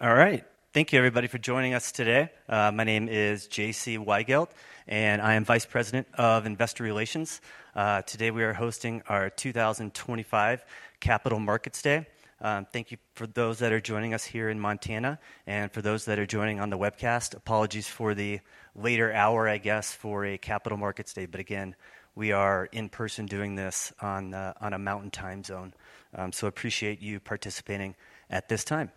All right. Thank you, everybody, for joining us today. My name is JC Weigelt, and I am Vice President of Investor Relations. Today we are hosting our 2025 Capital Markets Day. Thank you for those that are joining us here in Montana, and for those that are joining on the webcast, apologies for the later hour, I guess, for a Capital Markets Day. Again, we are in person doing this on a Mountain Time Zone, so I appreciate you participating at this time.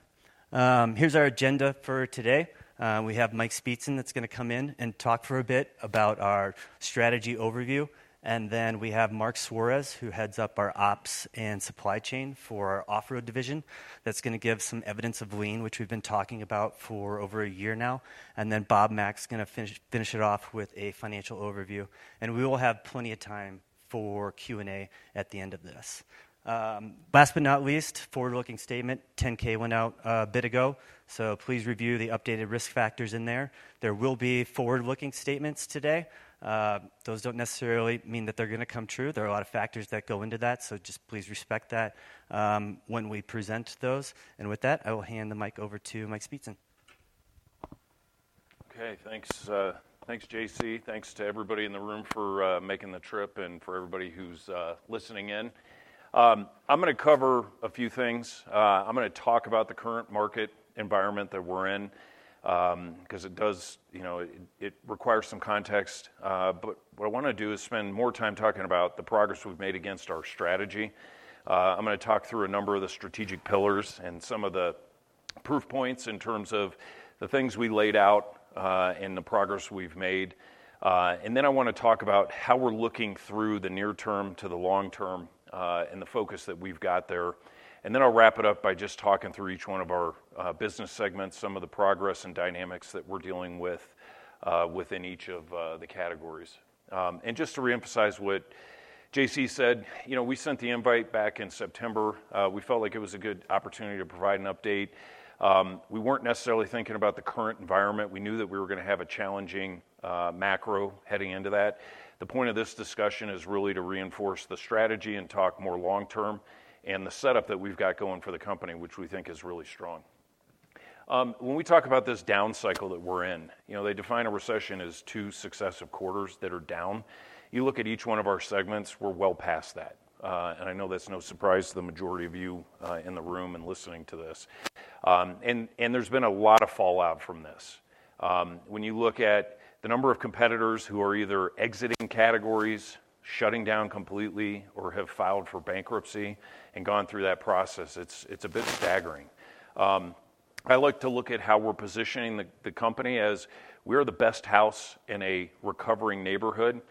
Here is our agenda for today. We have Mike Speetzen that is going to come in and talk for a bit about our strategy overview. We have Marc Suárez, who heads up our ops and Supply Chain for Off-Road Division, that is going to give some evidence of Lean, which we have been talking about for over a year now. Bob Mack is going to finish it off with a financial overview. We will have plenty of time for Q&A at the end of this. Last but not least, forward-looking statement. The 10-K went out a bit ago, so please review the updated risk factors in there. There will be forward-looking statements today. Those do not necessarily mean that they are going to come true. There are a lot of factors that go into that, so just please respect that when we present those. With that, I will hand the mic over to Mike Speetzen. Okay, thanks. Thanks, JC. Thanks to everybody in the room for making the trip and for everybody who's listening in. I'm going to cover a few things. I'm going to talk about the current market environment that we're in because it does, you know, it requires some context. What I want to do is spend more time talking about the progress we've made against our strategy. I'm going to talk through a number of the strategic pillars and some of the proof points in terms of the things we laid out and the progress we've made. I want to talk about how we're looking through the near term to the long term and the focus that we've got there. I'll wrap it up by just talking through each one of our business segments, some of the progress and dynamics that we're dealing with within each of the categories. Just to reemphasize what JC said, you know, we sent the invite back in September. We felt like it was a good opportunity to provide an update. We weren't necessarily thinking about the current environment. We knew that we were going to have a challenging macro heading into that. The point of this discussion is really to reinforce the strategy and talk more long term and the setup that we've got going for the company, which we think is really strong. When we talk about this down cycle that we're in, you know, they define a recession as two successive quarters that are down. You look at each one of our segments, we're well past that. I know that's no surprise to the majority of you in the room and listening to this. There's been a lot of fallout from this. When you look at the number of competitors who are either exiting categories, shutting down completely, or have filed for bankruptcy and gone through that process, it's a bit staggering. I like to look at how we're positioning the company as we are the best house in a recovering neighborhood,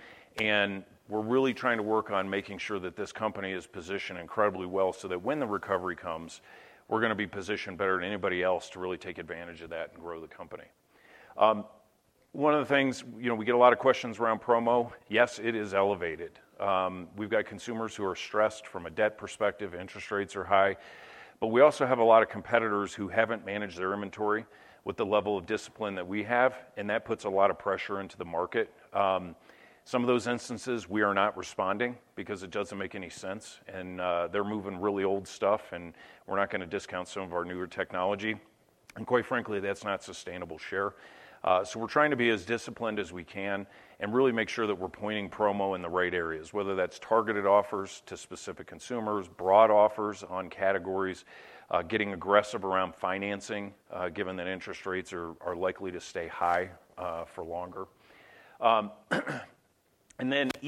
and we're really trying to work on making sure that this company is positioned incredibly well so that when the recovery comes, we're going to be positioned better than anybody else to really take advantage of that and grow the company. One of the things, you know, we get a lot of questions around promo. Yes, it is elevated. We've got consumers who are stressed from a debt perspective. Interest rates are high. We also have a lot of competitors who have not managed their inventory with the level of discipline that we have, and that puts a lot of pressure into the market. In some of those instances, we are not responding because it does not make any sense, and they are moving really old stuff, and we are not going to discount some of our newer technology. Quite frankly, that is not sustainable share. We are trying to be as disciplined as we can and really make sure that we are pointing promo in the right areas, whether that is targeted offers to specific consumers, broad offers on categories, getting aggressive around financing, given that interest rates are likely to stay high for longer. EV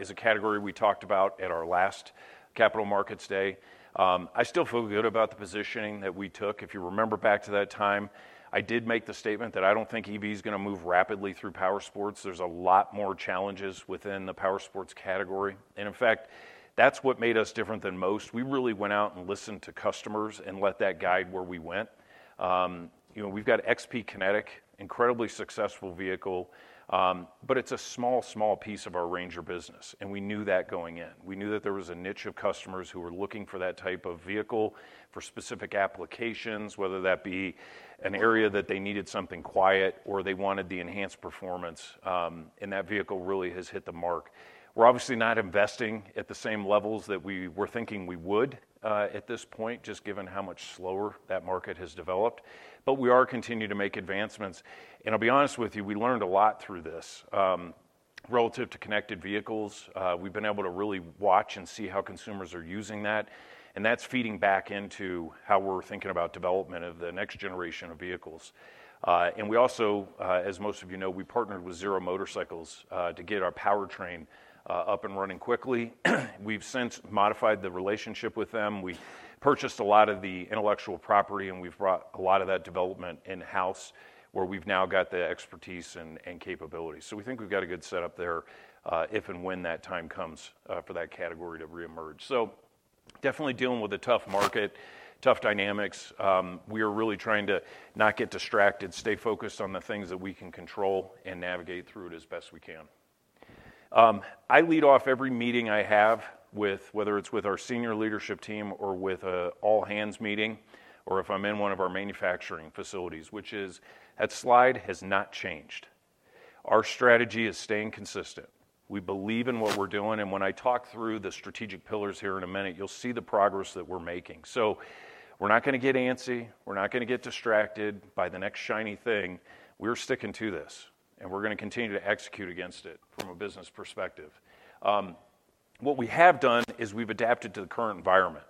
is a category we talked about at our last Capital Markets Day. I still feel good about the positioning that we took. If you remember back to that time, I did make the statement that I don't think EV is going to move rapidly through Powersports. There's a lot more challenges within the Powersports category. In fact, that's what made us different than most. We really went out and listened to customers and let that guide where we went. You know, we've got XP Kinetic, an incredibly successful vehicle, but it's a small, small piece of our Ranger business, and we knew that going in. We knew that there was a niche of customers who were looking for that type of vehicle for specific applications, whether that be an area that they needed something quiet or they wanted the enhanced performance. That vehicle really has hit the mark. We're obviously not investing at the same levels that we were thinking we would at this point, just given how much slower that market has developed. We are continuing to make advancements. I'll be honest with you, we learned a lot through this relative to connected vehicles. We've been able to really watch and see how consumers are using that, and that's feeding back into how we're thinking about development of the next generation of vehicles. We also, as most of you know, partnered with Zero Motorcycles to get our powertrain up and running quickly. We've since modified the relationship with them. We purchased a lot of the intellectual property, and we've brought a lot of that development in-house where we've now got the expertise and capability. We think we've got a good setup there if and when that time comes for that category to reemerge. Definitely dealing with a tough market, tough dynamics. We are really trying to not get distracted, stay focused on the things that we can control and navigate through it as best we can. I lead off every meeting I have with, whether it's with our senior leadership team or with an all-hands meeting, or if I'm in one of our manufacturing facilities, which is that slide has not changed. Our strategy is staying consistent. We believe in what we're doing. When I talk through the strategic pillars here in a minute, you'll see the progress that we're making. We're not going to get antsy. We're not going to get distracted by the next shiny thing. We're sticking to this, and we're going to continue to execute against it from a business perspective. What we have done is we've adapted to the current environment.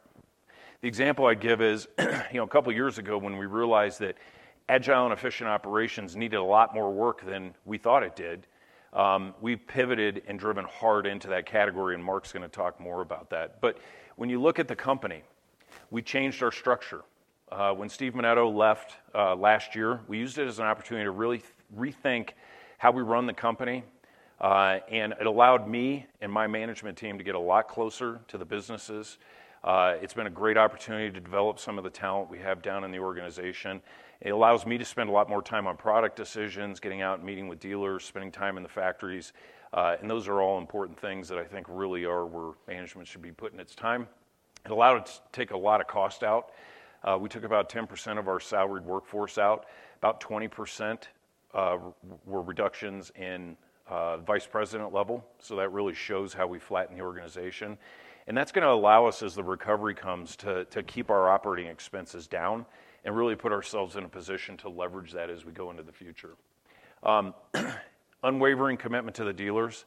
The example I give is, you know, a couple of years ago when we realized that agile and efficient operations needed a lot more work than we thought it did, we've pivoted and driven hard into that category. Marc's going to talk more about that. When you look at the company, we changed our structure. When Steve Menneto left last year, we used it as an opportunity to really rethink how we run the company. It allowed me and my management team to get a lot closer to the businesses. It's been a great opportunity to develop some of the talent we have down in the organization. It allows me to spend a lot more time on product decisions, getting out and meeting with dealers, spending time in the factories. Those are all important things that I think really are where management should be putting its time. It allowed us to take a lot of cost out. We took about 10% of our salaried workforce out. About 20% were reductions in vice president level. That really shows how we flatten the organization. That is going to allow us, as the recovery comes, to keep our operating expenses down and really put ourselves in a position to leverage that as we go into the future. Unwavering commitment to the dealers.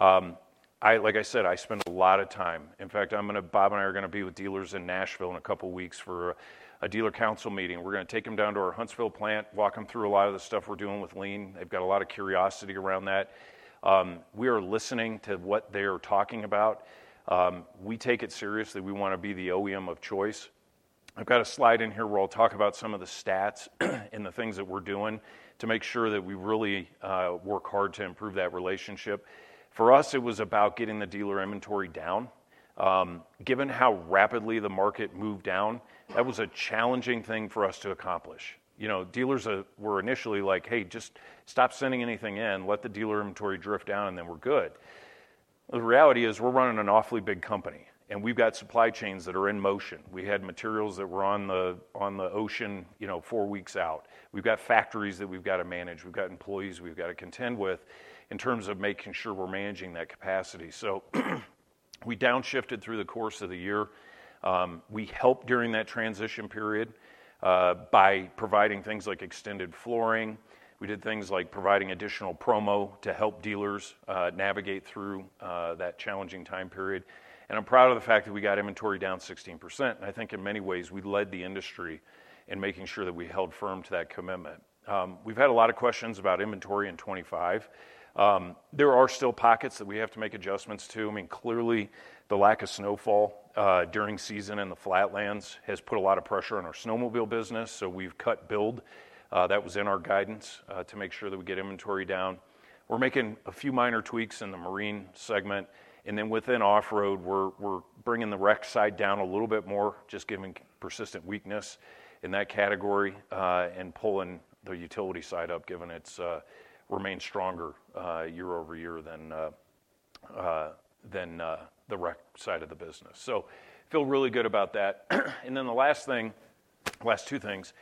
Like I said, I spend a lot of time. In fact, Bob and I are going to be with dealers in Nashville in a couple of weeks for a Dealer Council meeting. We're going to take them down to our Huntsville plant, walk them through a lot of the stuff we're doing with Lean. They've got a lot of curiosity around that. We are listening to what they are talking about. We take it seriously. We want to be the OEM of choice. I've got a slide in here where I'll talk about some of the stats and the things that we're doing to make sure that we really work hard to improve that relationship. For us, it was about getting the dealer inventory down. Given how rapidly the market moved down, that was a challenging thing for us to accomplish. You know, dealers were initially like, "Hey, just stop sending anything in, let the dealer inventory drift down, and then we're good." The reality is we're running an awfully big company, and we've got Supply Chains that are in motion. We had materials that were on the ocean, you know, four weeks out. We've got factories that we've got to manage. We've got employees we've got to contend with in terms of making sure we're managing that capacity. We downshifted through the course of the year. We helped during that transition period by providing things like extended flooring. We did things like providing additional promo to help dealers navigate through that challenging time period. I'm proud of the fact that we got inventory down 16%. I think in many ways we led the industry in making sure that we held firm to that commitment. We've had a lot of questions about inventory in 2025. There are still pockets that we have to make adjustments to. I mean, clearly the lack of snowfall during season in the flatlands has put a lot of pressure on our snowmobile business. We have cut build. That was in our guidance to make sure that we get inventory down. We are making a few minor tweaks in the marine segment. Within Off-Road, we are bringing the rec side down a little bit more, just given persistent weakness in that category and pulling the utility side up, given it has remained stronger year-over-year than the rec side of the business. I feel really good about that. The last two things,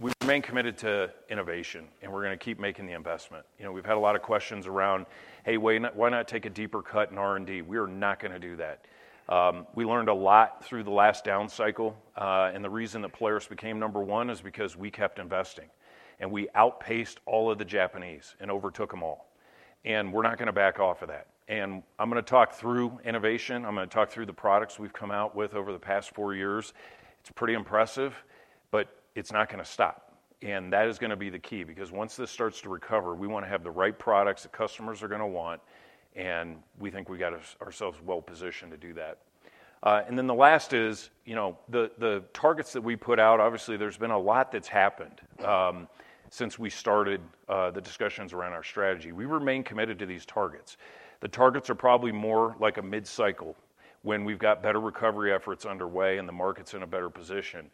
we remain committed to innovation, and we are going to keep making the investment. You know, we have had a lot of questions around, "Hey, why not take a deeper cut in R&D?" We are not going to do that. We learned a lot through the last down cycle. The reason that Polaris became number one is because we kept investing, and we outpaced all of the Japanese and overtook them all. We are not going to back off of that. I am going to talk through innovation. I am going to talk through the products we have come out with over the past four years. It is pretty impressive, but it is not going to stop. That is going to be the key because once this starts to recover, we want to have the right products that customers are going to want. We think we got ourselves well positioned to do that. The last is, you know, the targets that we put out, obviously there has been a lot that has happened since we started the discussions around our strategy. We remain committed to these targets. The targets are probably more like a mid-cycle when we've got better recovery efforts underway and the market's in a better position.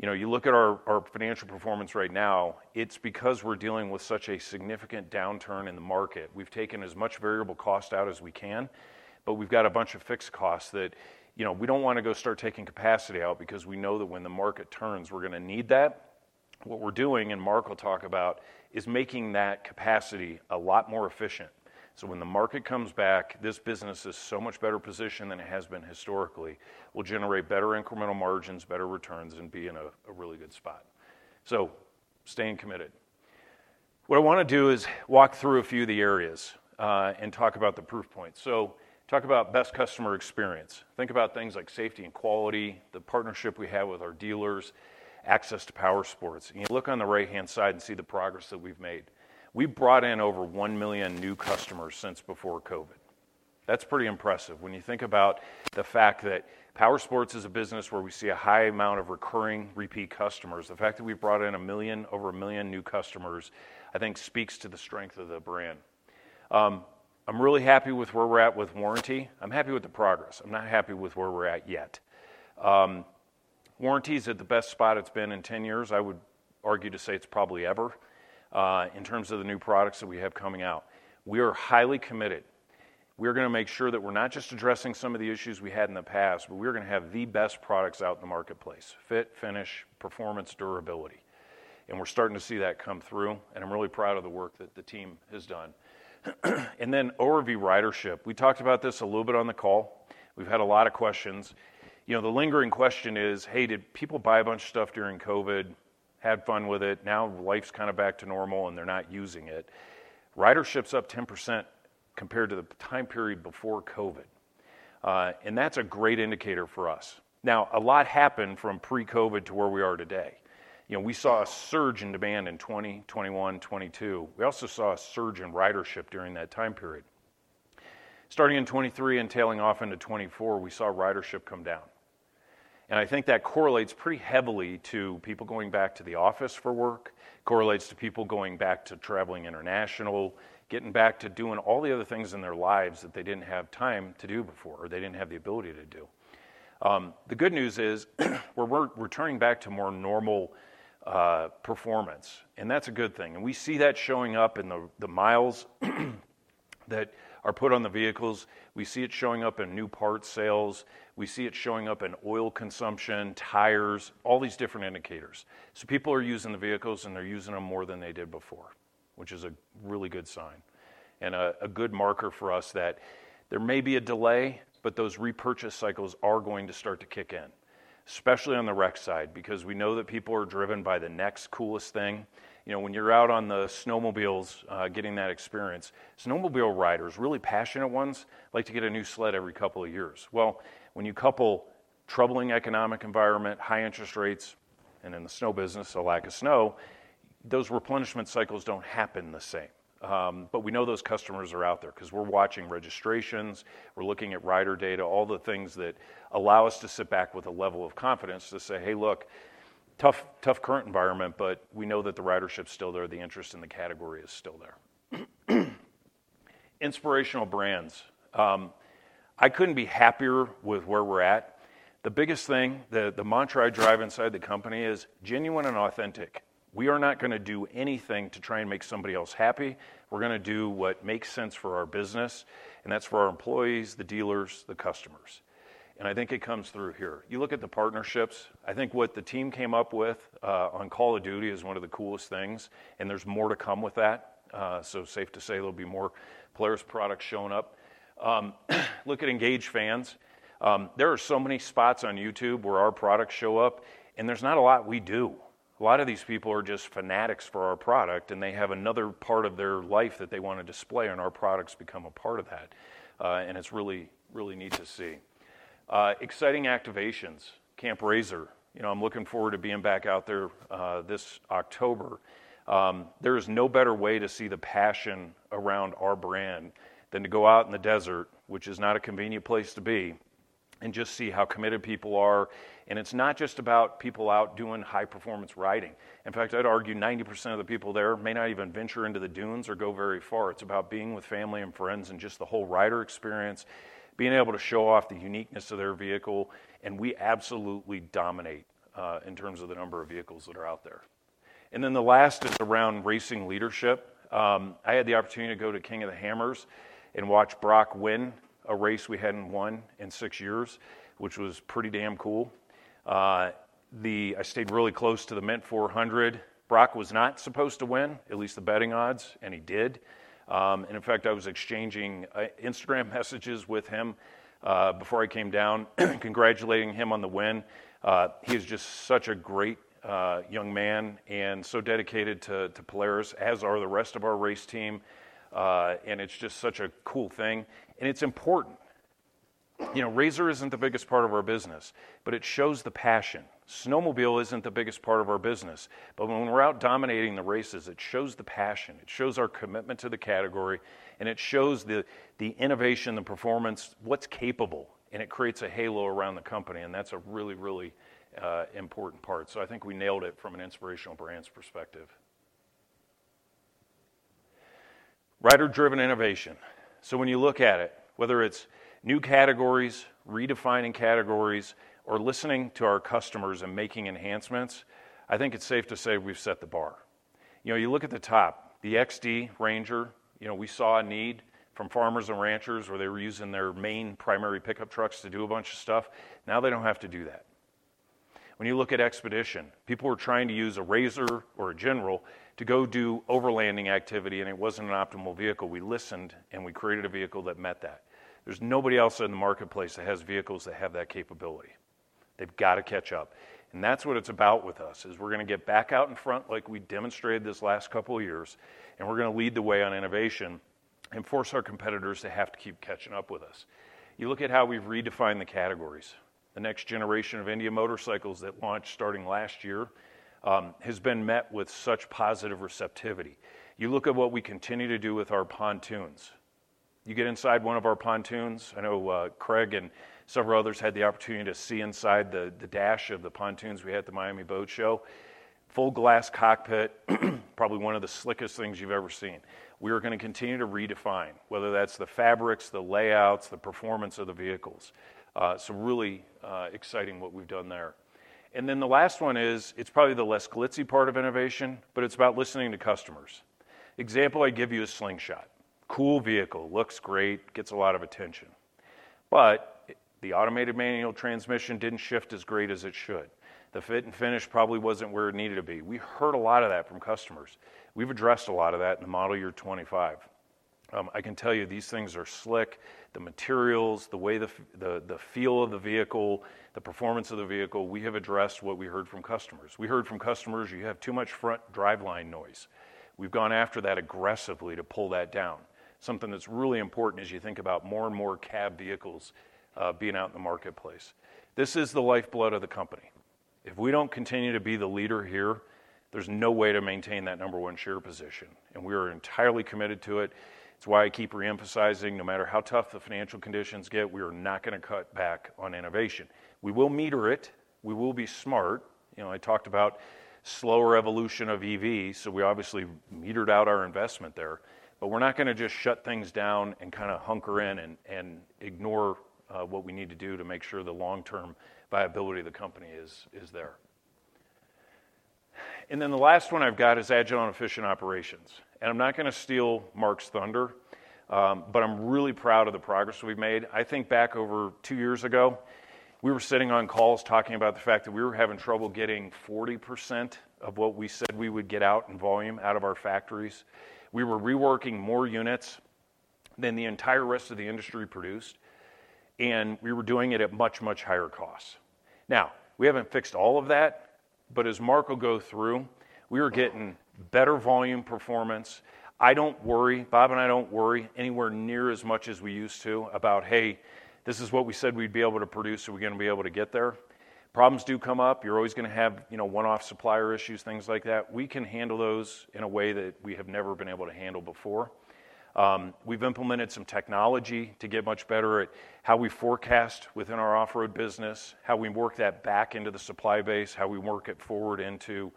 You know, you look at our financial performance right now, it's because we're dealing with such a significant downturn in the market. We've taken as much variable cost out as we can, but we've got a bunch of fixed costs that, you know, we don't want to go start taking capacity out because we know that when the market turns, we're going to need that. What we're doing, and Marc will talk about, is making that capacity a lot more efficient. When the market comes back, this business is so much better positioned than it has been historically, will generate better incremental margins, better returns, and be in a really good spot. Staying committed. What I want to do is walk through a few of the areas and talk about the proof points. Talk about best customer experience. Think about things like safety and quality, the partnership we have with our dealers, access to Powersports. You look on the right-hand side and see the progress that we've made. We've brought in over 1 million new customers since before COVID. That's pretty impressive. When you think about the fact that Powersports is a business where we see a high amount of recurring repeat customers, the fact that we've brought in a million, over a million new customers, I think speaks to the strength of the brand. I'm really happy with where we're at with warranty. I'm happy with the progress. I'm not happy with where we're at yet. Warranty is at the best spot it's been in 10 years. I would argue to say it's probably ever in terms of the new products that we have coming out. We are highly committed. We're going to make sure that we're not just addressing some of the issues we had in the past, but we're going to have the best products out in the marketplace: fit, finish, performance, durability. We're starting to see that come through. I'm really proud of the work that the team has done. Overview ridership. We talked about this a little bit on the call. We've had a lot of questions. You know, the lingering question is, "Hey, did people buy a bunch of stuff during COVID, had fun with it? Now life's kind of back to normal, and they're not using it." Ridership's up 10% compared to the time period before COVID. That's a great indicator for us. Now, a lot happened from pre-COVID to where we are today. You know, we saw a surge in demand in 2020, 2021, 2022. We also saw a surge in ridership during that time period. Starting in 2023 and tailing off into 2024, we saw ridership come down. I think that correlates pretty heavily to people going back to the office for work, correlates to people going back to traveling international, getting back to doing all the other things in their lives that they did not have time to do before or they did not have the ability to do. The good news is we are returning back to more normal performance. That is a good thing. We see that showing up in the miles that are put on the vehicles. We see it showing up in new part sales. We see it showing up in oil consumption, tires, all these different indicators. People are using the vehicles, and they're using them more than they did before, which is a really good sign and a good marker for us that there may be a delay, but those repurchase cycles are going to start to kick in, especially on the rec side because we know that people are driven by the next coolest thing. You know, when you're out on the snowmobiles getting that experience, snowmobile riders, really passionate ones, like to get a new sled every couple of years. When you couple troubling economic environment, high interest rates, and in the snow business, a lack of snow, those replenishment cycles do not happen the same. We know those customers are out there because we're watching registrations. We're looking at rider data, all the things that allow us to sit back with a level of confidence to say, "Hey, look, tough current environment, but we know that the ridership's still there. The interest in the category is still there." Inspirational brands. I couldn't be happier with where we're at. The biggest thing, the mantra I drive inside the company is genuine and authentic. We are not going to do anything to try and make somebody else happy. We're going to do what makes sense for our business, and that's for our employees, the dealers, the customers. I think it comes through here. You look at the partnerships. I think what the team came up with on Call of Duty is one of the coolest things, and there's more to come with that. Safe to say there'll be more Polaris products showing up. Look at Engage Fans. There are so many spots on YouTube where our products show up, and there's not a lot we do. A lot of these people are just fanatics for our product, and they have another part of their life that they want to display, and our products become a part of that. It's really, really neat to see. Exciting activations. Camp RZR. You know, I'm looking forward to being back out there this October. There is no better way to see the passion around our brand than to go out in the desert, which is not a convenient place to be, and just see how committed people are. It's not just about people out doing high-performance riding. In fact, I'd argue 90% of the people there may not even venture into the dunes or go very far. It's about being with family and friends and just the whole rider experience, being able to show off the uniqueness of their vehicle. We absolutely dominate in terms of the number of vehicles that are out there. The last is around racing leadership. I had the opportunity to go to King of the Hammers and watch Brock win a race we had not won in six years, which was pretty damn cool. I stayed really close to the Mint 400. Brock was not supposed to win, at least the betting odds, and he did. In fact, I was exchanging Instagram messages with him before I came down, congratulating him on the win. He is just such a great young man and so dedicated to Polaris, as are the rest of our race team. It is just such a cool thing. It is important. You know, RZR isn't the biggest part of our business, but it shows the passion. Snowmobile isn't the biggest part of our business, but when we're out dominating the races, it shows the passion. It shows our commitment to the category, and it shows the innovation, the performance, what's capable, and it creates a halo around the company. That's a really, really important part. I think we nailed it from an inspirational brand's perspective. Rider-driven innovation. When you look at it, whether it's new categories, redefining categories, or listening to our customers and making enhancements, I think it's safe to say we've set the bar. You know, you look at the top, the XD Ranger, we saw a need from farmers and ranchers where they were using their main primary pickup trucks to do a bunch of stuff. Now they don't have to do that. When you look at XPEDITION, people were trying to use a RZR or a GENERAL to go do overlanding activity, and it was not an optimal vehicle. We listened, and we created a vehicle that met that. There is nobody else in the marketplace that has vehicles that have that capability. They have got to catch up. That is what it is about with us, we are going to get back out in front like we demonstrated these last couple of years, and we are going to lead the way on innovation and force our competitors to have to keep catching up with us. You look at how we have redefined the categories. The next generation of Indian Motorcycle that launched starting last year has been met with such positive receptivity. You look at what we continue to do with our pontoons. You get inside one of our pontoons. I know Craig and several others had the opportunity to see inside the dash of the pontoons we had at the Miami Boat Show. Full glass cockpit, probably one of the slickest things you've ever seen. We are going to continue to redefine, whether that's the fabrics, the layouts, the performance of the vehicles. Really exciting what we've done there. The last one is, it's probably the less glitzy part of innovation, but it's about listening to customers. Example I give you is Slingshot. Cool vehicle, looks great, gets a lot of attention. The automated manual transmission didn't shift as great as it should. The fit and finish probably wasn't where it needed to be. We heard a lot of that from customers. We've addressed a lot of that in the model year 2025. I can tell you these things are slick. The materials, the way the feel of the vehicle, the performance of the vehicle, we have addressed what we heard from customers. We heard from customers, "You have too much front driveline noise." We have gone after that aggressively to pull that down. Something that's really important as you think about more and more cab vehicles being out in the marketplace. This is the lifeblood of the company. If we do not continue to be the leader here, there is no way to maintain that number one share position. We are entirely committed to it. It is why I keep reemphasizing, no matter how tough the financial conditions get, we are not going to cut back on innovation. We will meter it. We will be smart. You know, I talked about slower evolution of EVs, so we obviously metered out our investment there. We're not going to just shut things down and kind of hunker in and ignore what we need to do to make sure the long-term viability of the company is there. The last one I've got is Agile and Efficient Operations. I'm not going to steal Marc's thunder, but I'm really proud of the progress we've made. I think back over two years ago, we were sitting on calls talking about the fact that we were having trouble getting 40% of what we said we would get out in volume out of our factories. We were reworking more units than the entire rest of the industry produced, and we were doing it at much, much higher costs. Now, we haven't fixed all of that, but as Marc will go through, we are getting better volume performance. I don't worry, Bob and I don't worry, anywhere near as much as we used to about, "Hey, this is what we said we'd be able to produce, are we going to be able to get there?" Problems do come up. You're always going to have, you know, one-off supplier issues, things like that. We can handle those in a way that we have never been able to handle before. We've implemented some technology to get much better at how we forecast within our Off-Road business, how we work that back into the supply base, how we work it forward into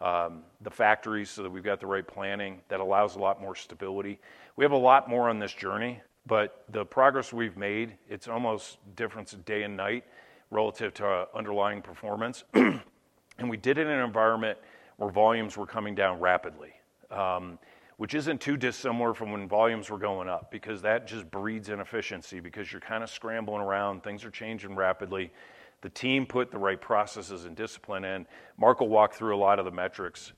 the factories so that we've got the right planning that allows a lot more stability. We have a lot more on this journey, but the progress we've made, it's almost a difference of day and night relative to our underlying performance. We did it in an environment where volumes were coming down rapidly, which is not too dissimilar from when volumes were going up because that just breeds inefficiency because you're kind of scrambling around. Things are changing rapidly. The team put the right processes and discipline in. Marc will walk through a lot of the metrics.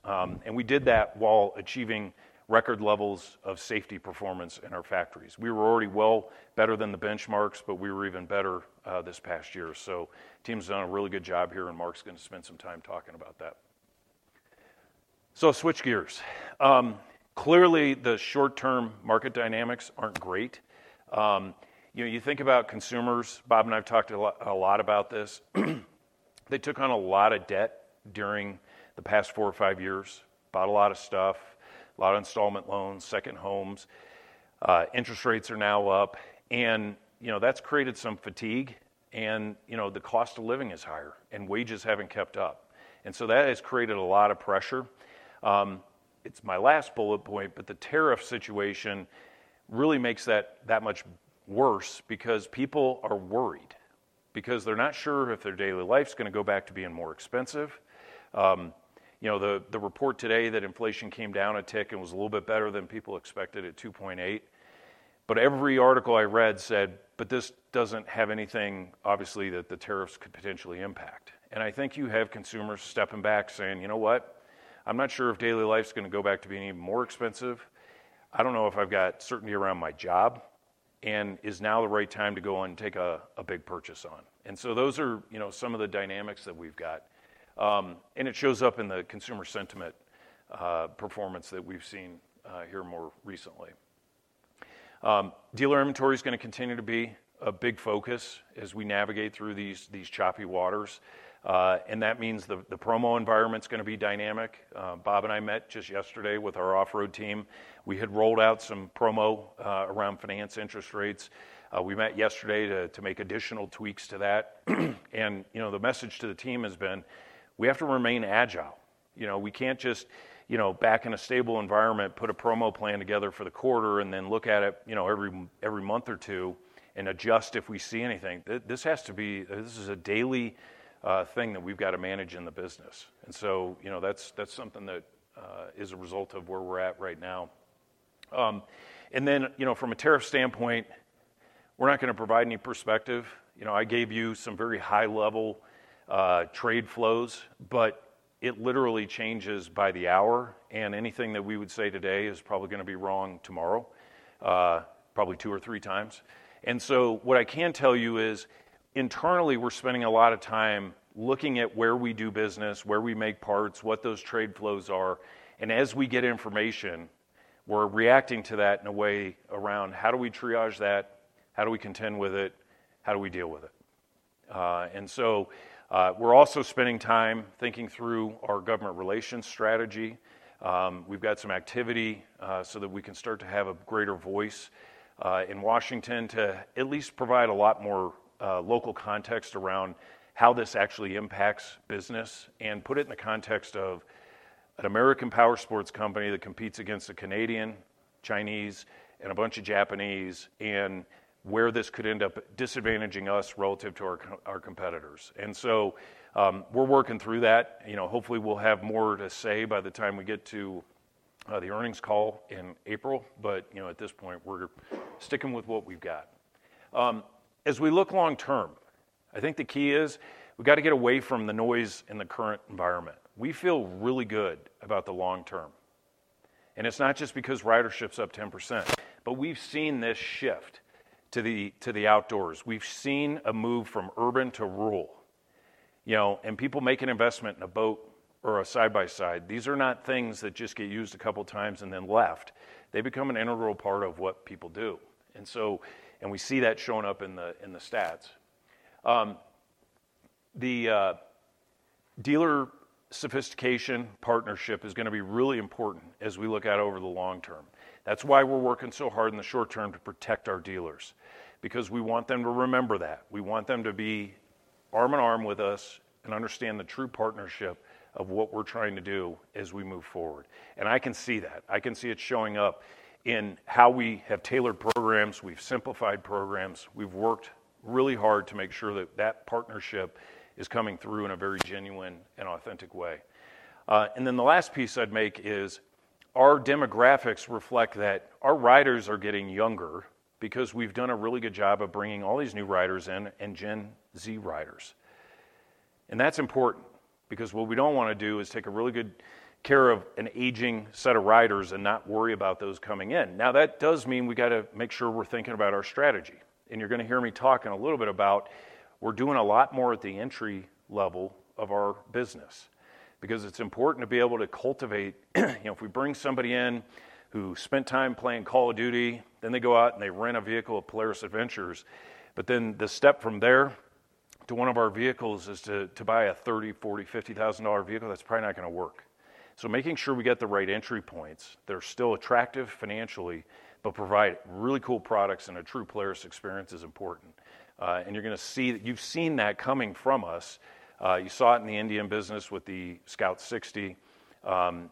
We did that while achieving record levels of safety performance in our factories. We were already well better than the benchmarks, but we were even better this past year. The team's done a really good job here, and Marc's going to spend some time talking about that. I'll switch gears. Clearly, the short-term market dynamics are not great. You know, you think about consumers. Bob and I have talked a lot about this. They took on a lot of debt during the past four or five years, bought a lot of stuff, a lot of installment loans, second homes. Interest rates are now up. You know, that's created some fatigue. You know, the cost of living is higher, and wages haven't kept up. That has created a lot of pressure. It's my last bullet point, but the tariff situation really makes that much worse because people are worried because they're not sure if their daily life's going to go back to being more expensive. You know, the report today that inflation came down a tick and was a little bit better than people expected at 2.8%. Every article I read said, "But this doesn't have anything, obviously, that the tariffs could potentially impact." I think you have consumers stepping back saying, "You know what? I'm not sure if daily life's going to go back to being even more expensive. I don't know if I've got certainty around my job and is now the right time to go and take a big purchase on. Those are, you know, some of the dynamics that we've got. It shows up in the consumer sentiment performance that we've seen here more recently. Dealer inventory is going to continue to be a big focus as we navigate through these choppy waters. That means the promo environment's going to be dynamic. Bob and I met just yesterday with our Off-Road team. We had rolled out some promo around finance interest rates. We met yesterday to make additional tweaks to that. You know, the message to the team has been, "We have to remain agile." You know, we can't just, you know, back in a stable environment, put a promo plan together for the quarter and then look at it, you know, every month or two and adjust if we see anything. This has to be, this is a daily thing that we've got to manage in the business. You know, that's something that is a result of where we're at right now. You know, from a tariff standpoint, we're not going to provide any perspective. You know, I gave you some very high-level trade flows, but it literally changes by the hour. Anything that we would say today is probably going to be wrong tomorrow, probably two or three times. What I can tell you is, internally, we're spending a lot of time looking at where we do business, where we make parts, what those trade flows are. As we get information, we're reacting to that in a way around how do we triage that, how do we contend with it, how do we deal with it. We're also spending time thinking through our government relations strategy. We've got some activity so that we can start to have a greater voice in Washington to at least provide a lot more local context around how this actually impacts business and put it in the context of an American Powersports company that competes against a Canadian, Chinese, and a bunch of Japanese, and where this could end up disadvantaging us relative to our competitors. We're working through that. You know, hopefully we'll have more to say by the time we get to the earnings call in April. But you know, at this point, we're sticking with what we've got. As we look long-term, I think the key is we've got to get away from the noise in the current environment. We feel really good about the long-term. And it's not just because ridership's up 10%, but we've seen this shift to the outdoors. We've seen a move from urban to rural. You know, and people make an investment in a boat or a side-by-side. These are not things that just get used a couple of times and then left. They become an integral part of what people do. And so, and we see that showing up in the stats. The dealer sophistication partnership is going to be really important as we look out over the long-term. That's why we're working so hard in the short-term to protect our dealers because we want them to remember that. We want them to be arm in arm with us and understand the true partnership of what we're trying to do as we move forward. I can see that. I can see it showing up in how we have tailored programs, we've simplified programs, we've worked really hard to make sure that that partnership is coming through in a very genuine and authentic way. The last piece I'd make is our demographics reflect that our riders are getting younger because we've done a really good job of bringing all these new riders in and Gen Z riders. That's important because what we don't want to do is take really good care of an aging set of riders and not worry about those coming in. Now, that does mean we've got to make sure we're thinking about our strategy. You're going to hear me talking a little bit about we're doing a lot more at the entry level of our business because it's important to be able to cultivate, you know, if we bring somebody in who spent time playing Call of Duty, then they go out and they rent a vehicle at Polaris Adventures. The step from there to one of our vehicles is to buy a $30,000, $40,000, $50,000 vehicle. That's probably not going to work. Making sure we get the right entry points that are still attractive financially, but provide really cool products and a true Polaris experience is important. You're going to see that. You've seen that coming from us. You saw it in the Indian business with the Scout 60.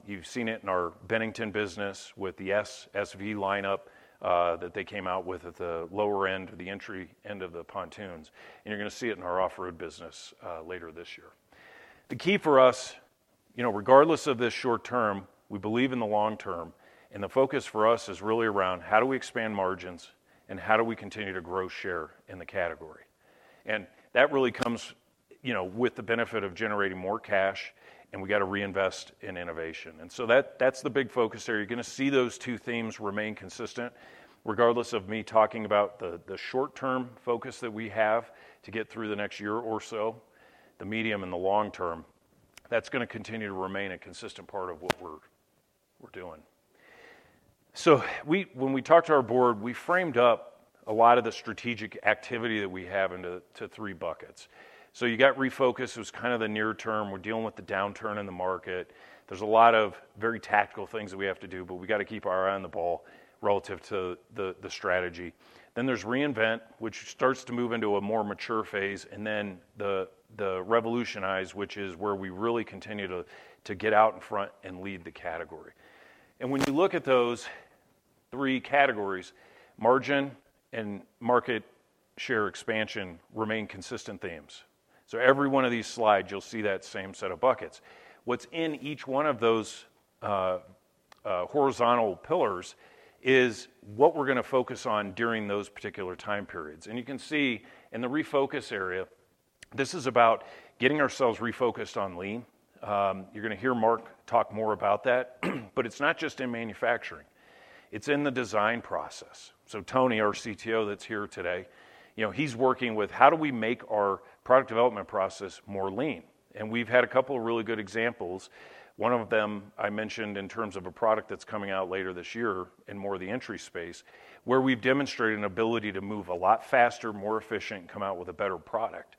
You've seen it in our Bennington business with the SV lineup that they came out with at the lower end, the entry end of the pontoons. You're going to see it in our Off-Road business later this year. The key for us, you know, regardless of this short-term, we believe in the long-term. The focus for us is really around how do we expand margins and how do we continue to grow share in the category. That really comes, you know, with the benefit of generating more cash and we got to reinvest in innovation. That's the big focus here. You're going to see those two themes remain consistent regardless of me talking about the short-term focus that we have to get through the next year or so, the medium and the long-term. That's going to continue to remain a consistent part of what we're doing. When we talked to our board, we framed up a lot of the strategic activity that we have into three buckets. You got refocus, it was kind of the near-term. We're dealing with the downturn in the market. There's a lot of very tactical things that we have to do, but we've got to keep our eye on the ball relative to the strategy. There is reinvent, which starts to move into a more mature phase. There is the revolutionize, which is where we really continue to get out in front and lead the category. When you look at those three categories, margin and market share expansion remain consistent themes. Every one of these slides, you'll see that same set of buckets. What's in each one of those horizontal pillars is what we're going to focus on during those particular time periods. You can see in the refocus area, this is about getting ourselves refocused on Lean. You're going to hear Marc talk more about that. It's not just in manufacturing. It's in the design process. Tony, our CTO that's here today, you know, he's working with how do we make our product development process more Lean. We've had a couple of really good examples. One of them I mentioned in terms of a product that's coming out later this year in more of the entry space where we've demonstrated an ability to move a lot faster, more efficient, and come out with a better product.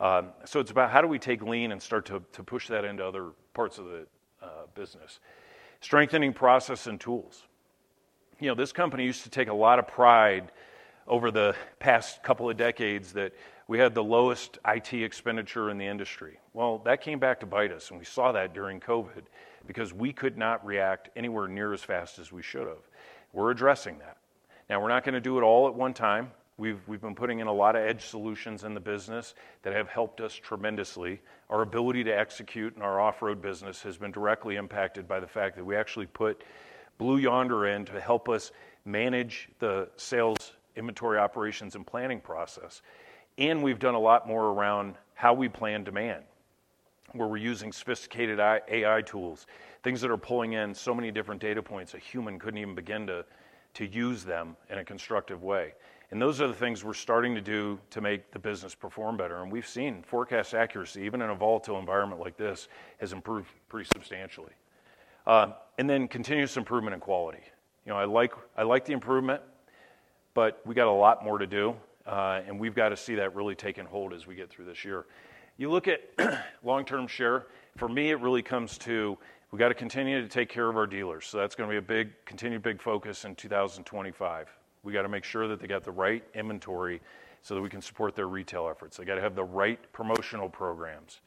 It's about how do we take Lean and start to push that into other parts of the business. Strengthening process and tools. You know, this company used to take a lot of pride over the past couple of decades that we had the lowest IT expenditure in the industry. That came back to bite us. We saw that during COVID because we could not react anywhere near as fast as we should have. We are addressing that. Now, we are not going to do it all at one time. We have been putting in a lot of edge solutions in the business that have helped us tremendously. Our ability to execute in our Off-Road business has been directly impacted by the fact that we actually put Blue Yonder in to help us manage the sales inventory operations and planning process. We have done a lot more around how we plan demand where we are using sophisticated AI tools, things that are pulling in so many different data points a human could not even begin to use them in a constructive way. Those are the things we are starting to do to make the business perform better. We have seen forecast accuracy even in a volatile environment like this has improved pretty substantially. Continuous improvement in quality. You know, I like the improvement, but we got a lot more to do. We have got to see that really taken hold as we get through this year. You look at long-term share. For me, it really comes to we got to continue to take care of our dealers. That is going to be a big, continue big focus in 2025. We got to make sure that they got the right inventory so that we can support their retail efforts. They got to have the right promotional programs.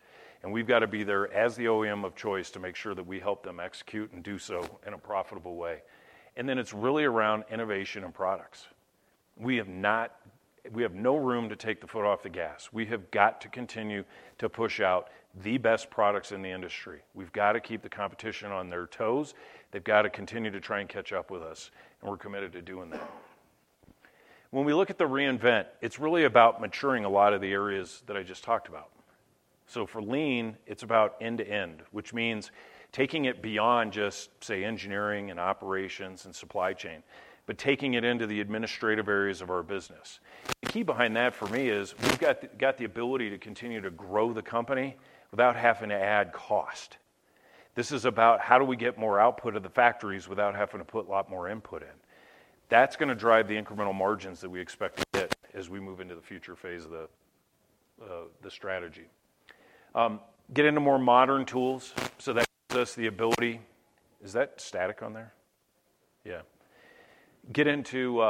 We have got to be there as the OEM of choice to make sure that we help them execute and do so in a profitable way. It is really around innovation and products. We have no room to take the foot off the gas. We have got to continue to push out the best products in the industry. We have got to keep the competition on their toes. They have got to continue to try and catch up with us. We are committed to doing that. When we look at the reinvent, it is really about maturing a lot of the areas that I just talked about. For Lean, it's about end to end, which means taking it beyond just, say, engineering and operations and Supply Chain, but taking it into the administrative areas of our business. The key behind that for me is we've got the ability to continue to grow the company without having to add cost. This is about how do we get more output of the factories without having to put a lot more input in. That's going to drive the incremental margins that we expect to hit as we move into the future phase of the strategy. Get into more modern tools so that gives us the ability. Is that static on there? Yeah. Get into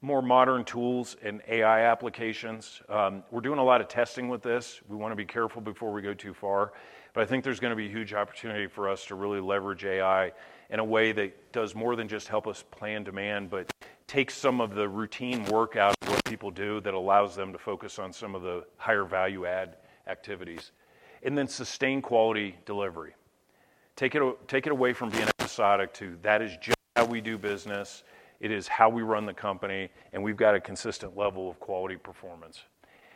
more modern tools and AI applications. We're doing a lot of testing with this. We want to be careful before we go too far. I think there's going to be a huge opportunity for us to really leverage AI in a way that does more than just help us plan demand, but take some of the routine work out of what people do that allows them to focus on some of the higher value-add activities. Then sustain quality delivery. Take it away from being episodic to that is just how we do business. It is how we run the company. We've got a consistent level of quality performance.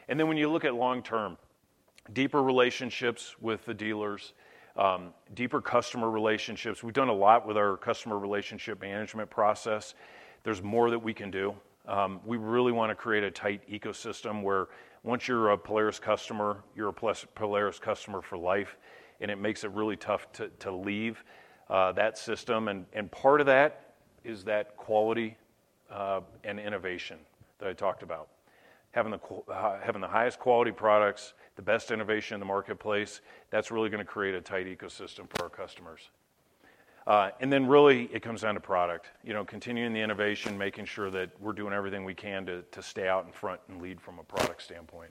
When you look at long-term, deeper relationships with the dealers, deeper customer relationships. We've done a lot with our customer relationship management process. There's more that we can do. We really want to create a tight ecosystem where once you're a Polaris customer, you're a Polaris customer for life. It makes it really tough to leave that system. Part of that is that quality and innovation that I talked about. Having the highest quality products, the best innovation in the marketplace, that's really going to create a tight ecosystem for our customers. It really comes down to product. You know, continuing the innovation, making sure that we're doing everything we can to stay out in front and lead from a product standpoint.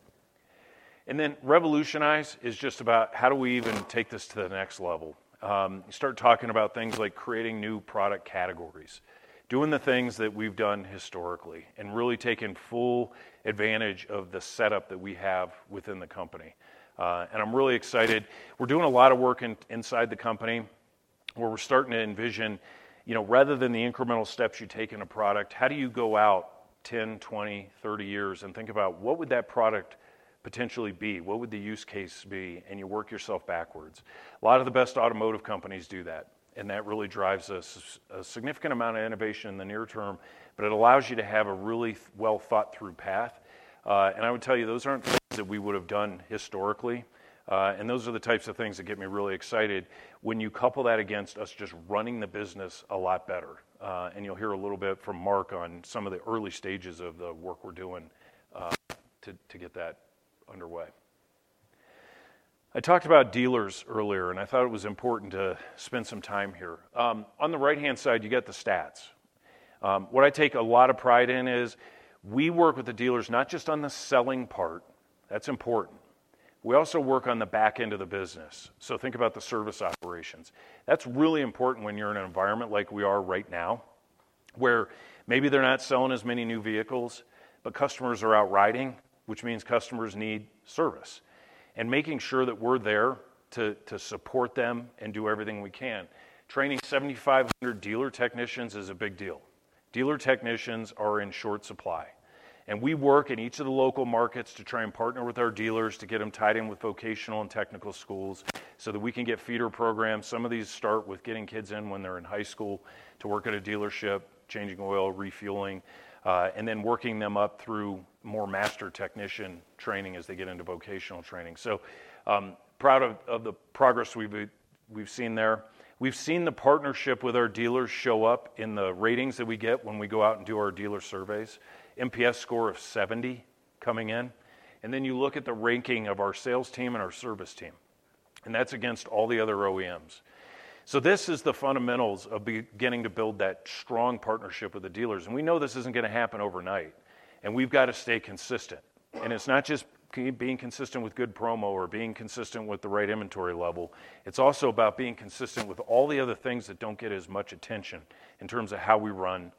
Revolutionize is just about how do we even take this to the next level. You start talking about things like creating new product categories, doing the things that we've done historically and really taking full advantage of the setup that we have within the company. I'm really excited. We're doing a lot of work inside the company where we're starting to envision, you know, rather than the incremental steps you take in a product, how do you go out 10, 20, 30 years and think about what would that product potentially be, what would the use case be, and you work yourself backwards. A lot of the best automotive companies do that. That really drives us a significant amount of innovation in the near term, but it allows you to have a really well-thought-through path. I would tell you those aren't things that we would have done historically. Those are the types of things that get me really excited when you couple that against us just running the business a lot better. You'll hear a little bit from Marc on some of the early stages of the work we're doing to get that underway. I talked about dealers earlier, and I thought it was important to spend some time here. On the right-hand side, you got the stats. What I take a lot of pride in is we work with the dealers not just on the selling part. That's important. We also work on the back end of the business. Think about the service operations. That's really important when you're in an environment like we are right now where maybe they're not selling as many new vehicles, but customers are out riding, which means customers need service. Making sure that we're there to support them and do everything we can. Training 7,500 dealer technicians is a big deal. Dealer technicians are in short supply. We work in each of the local markets to try and partner with our dealers to get them tied in with vocational and technical schools so that we can get feeder programs. Some of these start with getting kids in when they're in high school to work at a dealership, changing oil, refueling, and then working them up through more master technician training as they get into vocational training. Proud of the progress we've seen there. We've seen the partnership with our dealers show up in the ratings that we get when we go out and do our dealer surveys. NPS score of 70 coming in. You look at the ranking of our sales team and our service team. That's against all the other OEMs. This is the fundamentals of beginning to build that strong partnership with the dealers. We know this isn't going to happen overnight. We've got to stay consistent. It's not just being consistent with good promo or being consistent with the right inventory level. It's also about being consistent with all the other things that do not get as much attention in terms of how we run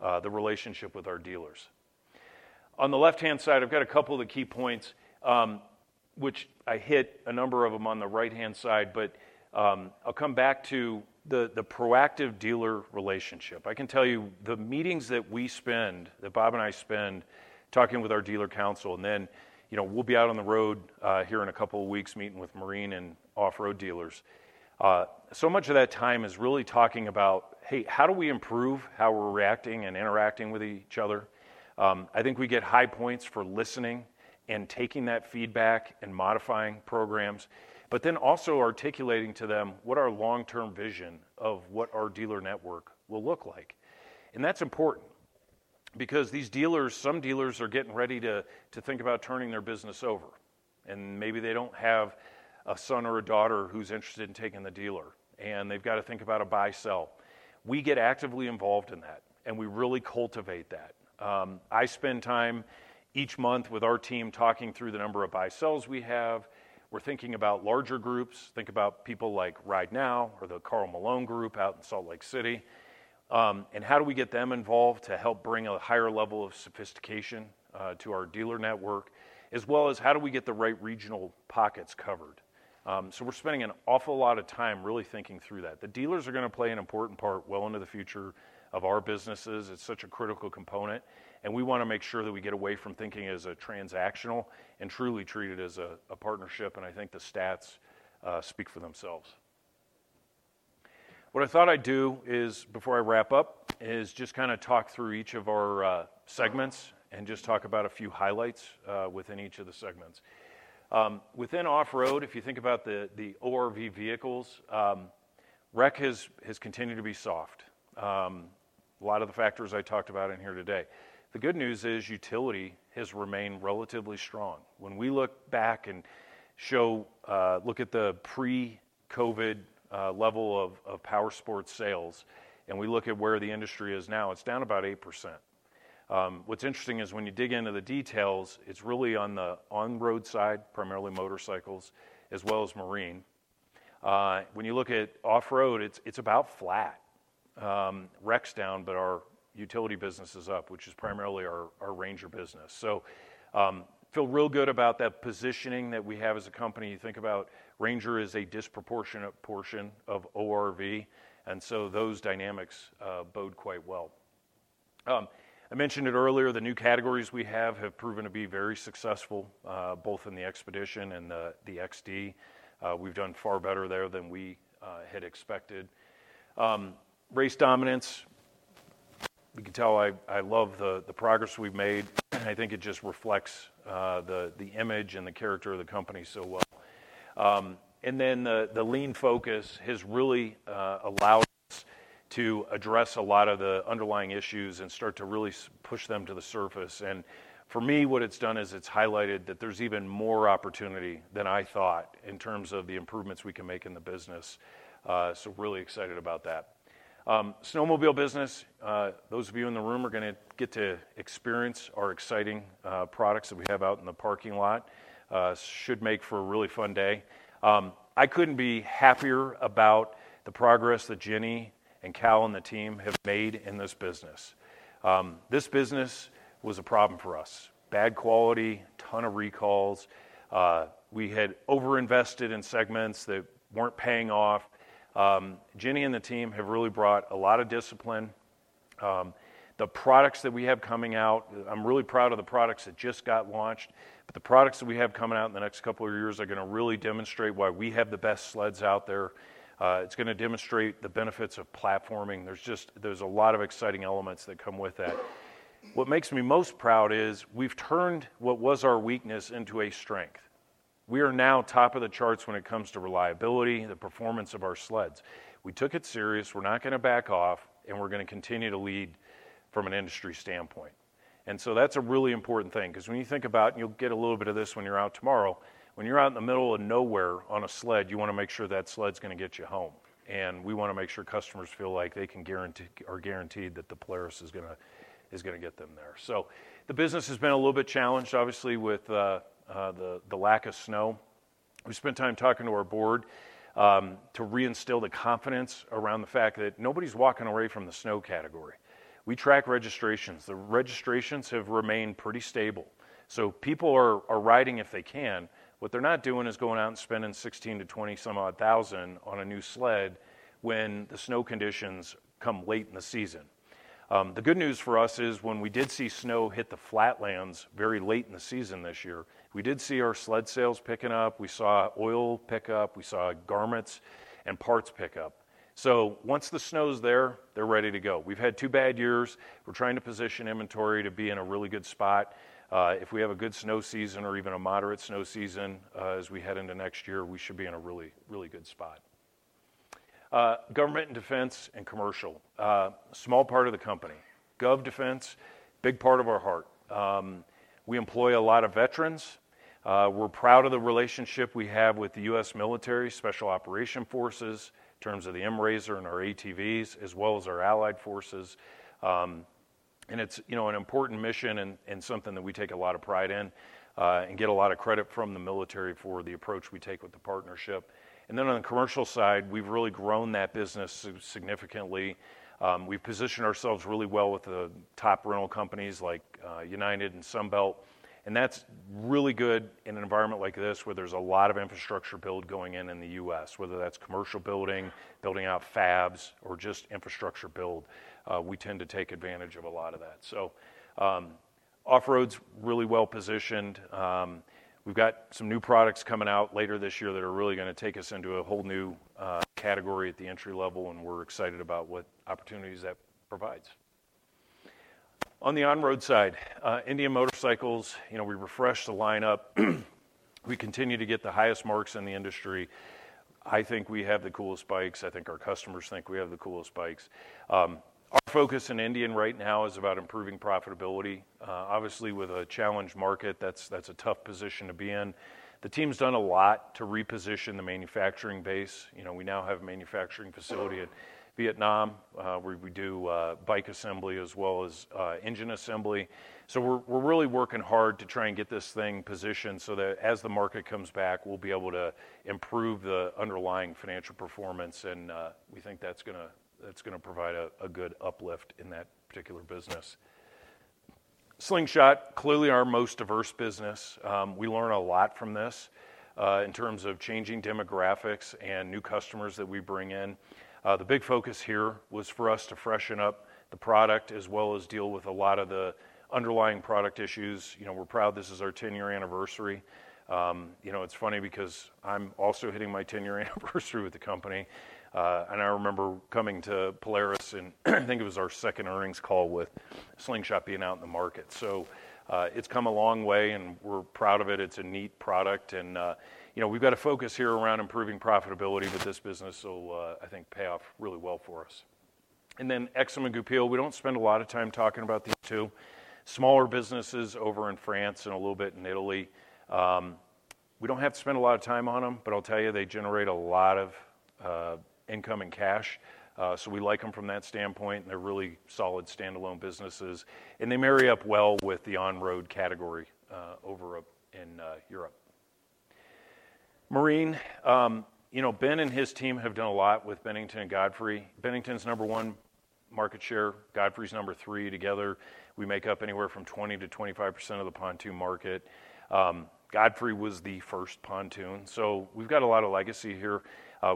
the relationship with our dealers. On the left-hand side, I have a couple of the key points, which I hit a number of them on the right-hand side, but I will come back to the proactive dealer relationship. I can tell you the meetings that we spend, that Bob and I spend talking with our Dealer Council. You know, we will be out on the road here in a couple of weeks meeting with Marine and Off-Road dealers. Much of that time is really talking about, hey, how do we improve how we're reacting and interacting with each other? I think we get high points for listening and taking that feedback and modifying programs, but then also articulating to them what our long-term vision of what our dealer network will look like. That's important because these dealers, some dealers are getting ready to think about turning their business over. Maybe they don't have a son or a daughter who's interested in taking the dealer. They've got to think about a buy-sell. We get actively involved in that. We really cultivate that. I spend time each month with our team talking through the number of buy-sells we have. We're thinking about larger groups. Think about people like RideNow or the Carl Malone Group out in Salt Lake City. How do we get them involved to help bring a higher level of sophistication to our dealer network, as well as how do we get the right regional pockets covered? We're spending an awful lot of time really thinking through that. The dealers are going to play an important part well into the future of our businesses. It's such a critical component. We want to make sure that we get away from thinking as a transactional and truly treat it as a partnership. I think the stats speak for themselves. What I thought I'd do is, before I wrap up, just kind of talk through each of our segments and just talk about a few highlights within each of the segments. Within Off-Road, if you think about the ORV vehicles, wreck has continued to be soft. A lot of the factors I talked about in here today. The good news is utility has remained relatively strong. When we look back and look at the pre-COVID level of Powersports sales and we look at where the industry is now, it's down about 8%. What's interesting is when you dig into the details, it's really on the on-road side, primarily motorcycles, as well as Marine. When you look at Off-Road, it's about flat. Wreck's down, but our utility business is up, which is primarily our Ranger business. I feel real good about that positioning that we have as a company. You think about Ranger as a disproportionate portion of ORV. Those dynamics bode quite well. I mentioned it earlier. The new categories we have have proven to be very successful, both in the Expedition and the XD. We've done far better there than we had expected. Race dominance, you can tell I love the progress we've made. I think it just reflects the image and the character of the company so well. The Lean focus has really allowed us to address a lot of the underlying issues and start to really push them to the surface. For me, what it's done is it's highlighted that there's even more opportunity than I thought in terms of the improvements we can make in the business. Really excited about that. Snowmobile business, those of you in the room are going to get to experience our exciting products that we have out in the parking lot. Should make for a really fun day. I couldn't be happier about the progress that Jenny and Cal and the team have made in this business. This business was a problem for us. Bad quality, a ton of recalls. We had overinvested in segments that weren't paying off. Jenny and the team have really brought a lot of discipline. The products that we have coming out, I'm really proud of the products that just got launched. The products that we have coming out in the next couple of years are going to really demonstrate why we have the best sleds out there. It's going to demonstrate the benefits of platforming. There's a lot of exciting elements that come with that. What makes me most proud is we've turned what was our weakness into a strength. We are now top of the charts when it comes to reliability, the performance of our sleds. We took it serious. We're not going to back off. We're going to continue to lead from an industry standpoint. That is a really important thing. Because when you think about, and you'll get a little bit of this when you're out tomorrow, when you're out in the middle of nowhere on a sled, you want to make sure that sled's going to get you home. We want to make sure customers feel like they are guaranteed that the Polaris is going to get them there. The business has been a little bit challenged, obviously, with the lack of snow. We spent time talking to our board to reinstill the confidence around the fact that nobody's walking away from the snow category. We track registrations. The registrations have remained pretty stable. People are riding if they can. What they're not doing is going out and spending $16,000-$20,000 on a new sled when the snow conditions come late in the season. The good news for us is when we did see snow hit the flatlands very late in the season this year, we did see our sled sales picking up. We saw oil pick up. We saw garments and parts pick up. Once the snow's there, they're ready to go. We've had two bad years. We're trying to position inventory to be in a really good spot. If we have a good snow season or even a moderate snow season as we head into next year, we should be in a really, really good spot. Government and defense and commercial. Small part of the company. Gov Defense, big part of our heart. We employ a lot of veterans. We're proud of the relationship we have with the U.S. military, Special Operation Forces, in terms of the MRZR and our ATVs, as well as our allied forces. It is an important mission and something that we take a lot of pride in and get a lot of credit from the military for the approach we take with the partnership. On the commercial side, we have really grown that business significantly. We have positioned ourselves really well with the top rental companies like United Rentals and Sunbelt. That is really good in an environment like this where there is a lot of infrastructure build going in in the U.S. Whether that is commercial building, building out fabs, or just infrastructure build, we tend to take advantage of a lot of that. Off-road is really well positioned. We have some new products coming out later this year that are really going to take us into a whole new category at the entry level. We are excited about what opportunities that provides. On the on-road side, Indian Motorcycle, you know, we refreshed the lineup. We continue to get the highest marks in the industry. I think we have the coolest bikes. I think our customers think we have the coolest bikes. Our focus in Indian right now is about improving profitability. Obviously, with a challenged market, that's a tough position to be in. The team's done a lot to reposition the manufacturing base. You know, we now have a manufacturing facility in Vietnam where we do bike assembly as well as engine assembly. We are really working hard to try and get this thing positioned so that as the market comes back, we'll be able to improve the underlying financial performance. We think that's going to provide a good uplift in that particular business. Slingshot, clearly our most diverse business. We learn a lot from this in terms of changing demographics and new customers that we bring in. The big focus here was for us to freshen up the product as well as deal with a lot of the underlying product issues. You know, we're proud this is our 10-year anniversary. You know, it's funny because I'm also hitting my 10-year anniversary with the company. I remember coming to Polaris and I think it was our second earnings call with Slingshot being out in the market. It has come a long way. We're proud of it. It's a neat product. You know, we've got a focus here around improving profitability. This business will, I think, pay off really well for us. Then Aixam and Goupil. We don't spend a lot of time talking about these two. Smaller businesses over in France and a little bit in Italy. We do not have to spend a lot of time on them. I will tell you, they generate a lot of income and cash. We like them from that standpoint. They are really solid standalone businesses. They marry up well with the on-road category over in Europe. Marine, you know, Ben and his team have done a lot with Bennington and Godfrey. Bennington's number one market share. Godfrey's number three together. We make up anywhere from 20%-25% of the pontoon market. Godfrey was the first pontoon. We have got a lot of legacy here.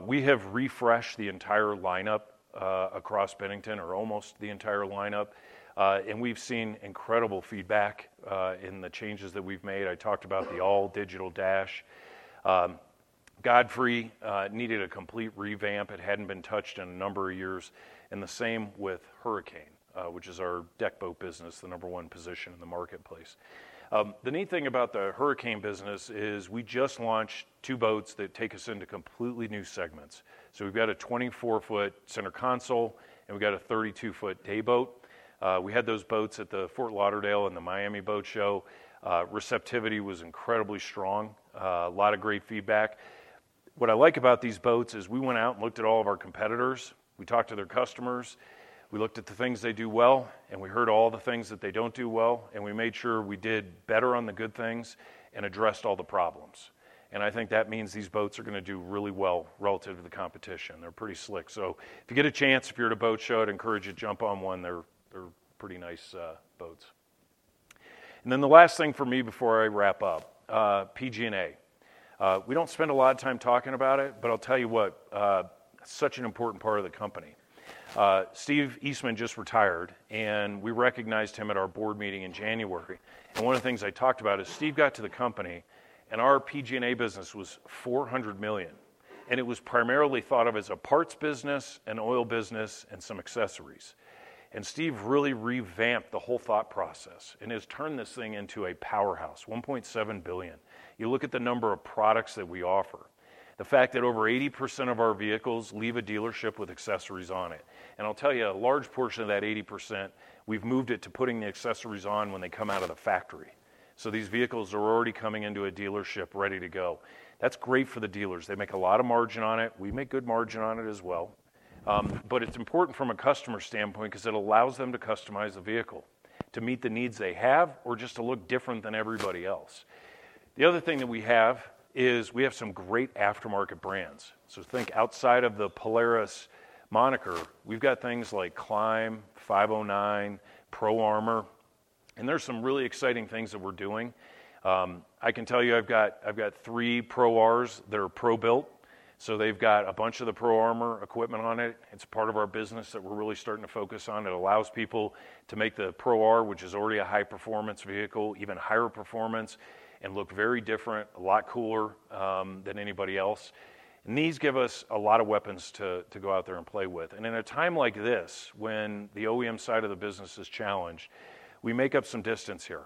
We have refreshed the entire lineup across Bennington, or almost the entire lineup. We have seen incredible feedback in the changes that we have made. I talked about the all-digital dash. Godfrey needed a complete revamp. It hadn't been touched in a number of years. The same with Hurricane, which is our deck boat business, the number one position in the marketplace. The neat thing about the Hurricane business is we just launched two boats that take us into completely new segments. We have a 24-foot center console. We have a 32-foot day boat. We had those boats at the Fort Lauderdale and the Miami Boat Show. Receptivity was incredibly strong. A lot of great feedback. What I like about these boats is we went out and looked at all of our competitors. We talked to their customers. We looked at the things they do well. We heard all the things that they do not do well. We made sure we did better on the good things and addressed all the problems. I think that means these boats are going to do really well relative to the competition. They're pretty slick. If you get a chance, if you're at a boat show, I'd encourage you to jump on one. They're pretty nice boats. The last thing for me before I wrap up, PG&A. We don't spend a lot of time talking about it. I'll tell you what, such an important part of the company. Steve Eastman just retired. We recognized him at our board meeting in January. One of the things I talked about is Steve got to the company, and our PG&A business was $400 million. It was primarily thought of as a parts business, an oil business, and some accessories. Steve really revamped the whole thought process and has turned this thing into a powerhouse, $1.7 billion. You look at the number of products that we offer, the fact that over 80% of our vehicles leave a dealership with accessories on it. I'll tell you, a large portion of that 80%, we've moved it to putting the accessories on when they come out of the factory. These vehicles are already coming into a dealership ready to go. That's great for the dealers. They make a lot of margin on it. We make good margin on it as well. It is important from a customer standpoint because it allows them to customize the vehicle to meet the needs they have or just to look different than everybody else. The other thing that we have is we have some great aftermarket brands. Think outside of the Polaris moniker, we've got things like Climb, 509, Pro Armor. There's some really exciting things that we're doing. I can tell you I've got three Pro Rs. They're pro-built. They've got a bunch of the Pro Armor equipment on it. It's part of our business that we're really starting to focus on. It allows people to make the Pro R, which is already a high-performance vehicle, even higher performance and look very different, a lot cooler than anybody else. These give us a lot of weapons to go out there and play with. In a time like this, when the OEM side of the business is challenged, we make up some distance here.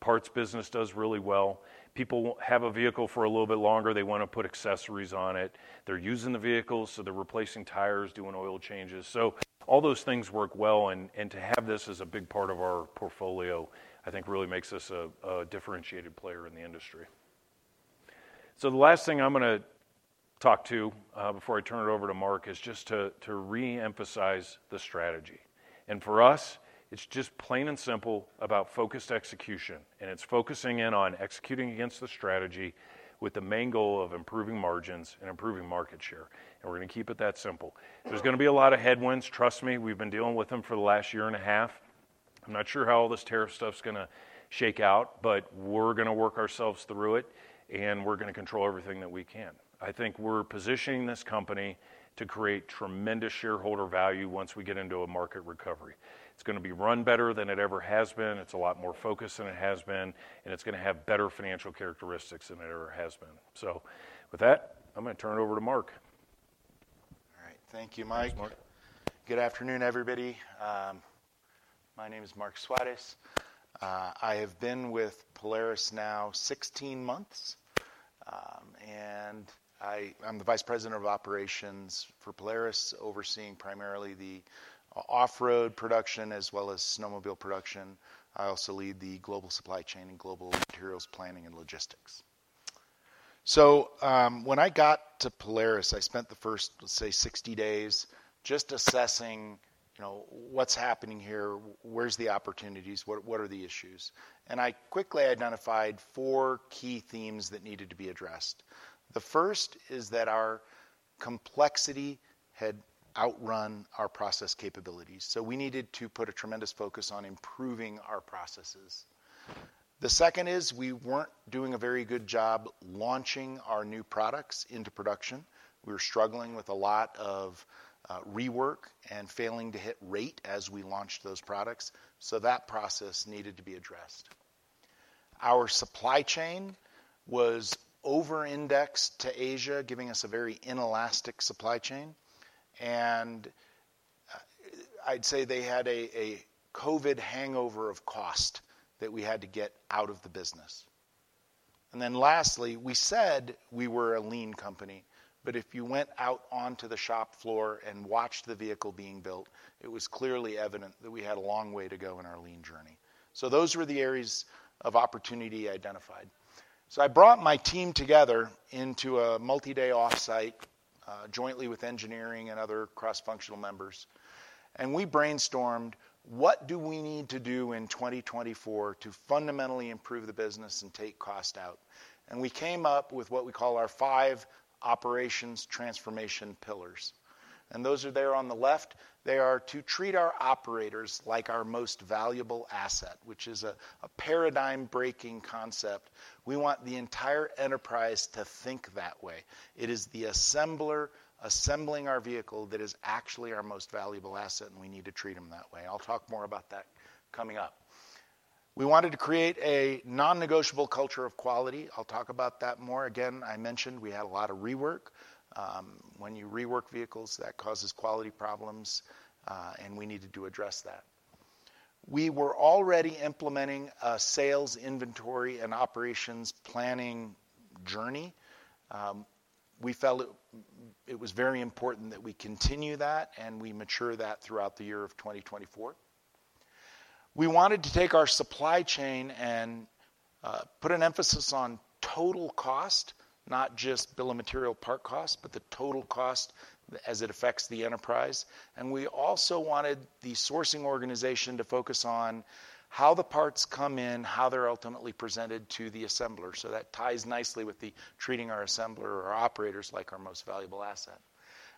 Parts business does really well. People have a vehicle for a little bit longer. They want to put accessories on it. They're using the vehicles. They're replacing tires, doing oil changes. All those things work well. To have this as a big part of our portfolio, I think really makes us a differentiated player in the industry. The last thing I'm going to talk to before I turn it over to Marc is just to reemphasize the strategy. For us, it's just plain and simple about focused execution. It's focusing in on executing against the strategy with the main goal of improving margins and improving market share. We're going to keep it that simple. There's going to be a lot of headwinds. Trust me, we've been dealing with them for the last year and a half. I'm not sure how all this tariff stuff's going to shake out. We're going to work ourselves through it. We're going to control everything that we can. I think we're positioning this company to create tremendous shareholder value once we get into a market recovery. It's going to be run better than it ever has been. It's a lot more focused than it has been. It's going to have better financial characteristics than it ever has been. With that, I'm going to turn it over to Marc. All right. Thank you, Mike. Good afternoon, everybody. My name is Marc Suárez. I have been with Polaris now 16 months. I'm the Vice President of Operations for Polaris, overseeing primarily the Off-Road production as well as snowmobile production. I also lead the global Supply Chain and global materials planning and logistics. When I got to Polaris, I spent the first, let's say, 60 days just assessing, you know, what's happening here, where's the opportunities, what are the issues. I quickly identified four key themes that needed to be addressed. The first is that our complexity had outrun our process capabilities. We needed to put a tremendous focus on improving our processes. The second is we were not doing a very good job launching our new products into production. We were struggling with a lot of rework and failing to hit rate as we launched those products. That process needed to be addressed. Our Supply Chain was over-indexed to Asia, giving us a very inelastic Supply Chain. I would say they had a COVID hangover of cost that we had to get out of the business. Lastly, we said we were a Lean company. If you went out onto the shop floor and watched the vehicle being built, it was clearly evident that we had a long way to go in our Lean journey. Those were the areas of opportunity identified. I brought my team together into a multi-day offsite jointly with engineering and other cross-functional members. We brainstormed what do we need to do in 2024 to fundamentally improve the business and take cost out. We came up with what we call our five operations transformation pillars. Those are there on the left. They are to treat our operators like our most valuable asset, which is a paradigm-breaking concept. We want the entire enterprise to think that way. It is the assembler assembling our vehicle that is actually our most valuable asset. We need to treat them that way. I'll talk more about that coming up. We wanted to create a non-negotiable culture of quality. I'll talk about that more. I mentioned we had a lot of rework. When you rework vehicles, that causes quality problems. We needed to address that. We were already implementing a sales inventory and operations planning journey. We felt it was very important that we continue that. We matured that throughout the year of 2024. We wanted to take our Supply Chain and put an emphasis on total cost, not just bill of material part cost, but the total cost as it affects the enterprise. We also wanted the sourcing organization to focus on how the parts come in, how they're ultimately presented to the assembler. That ties nicely with treating our assembler or operators like our most valuable asset.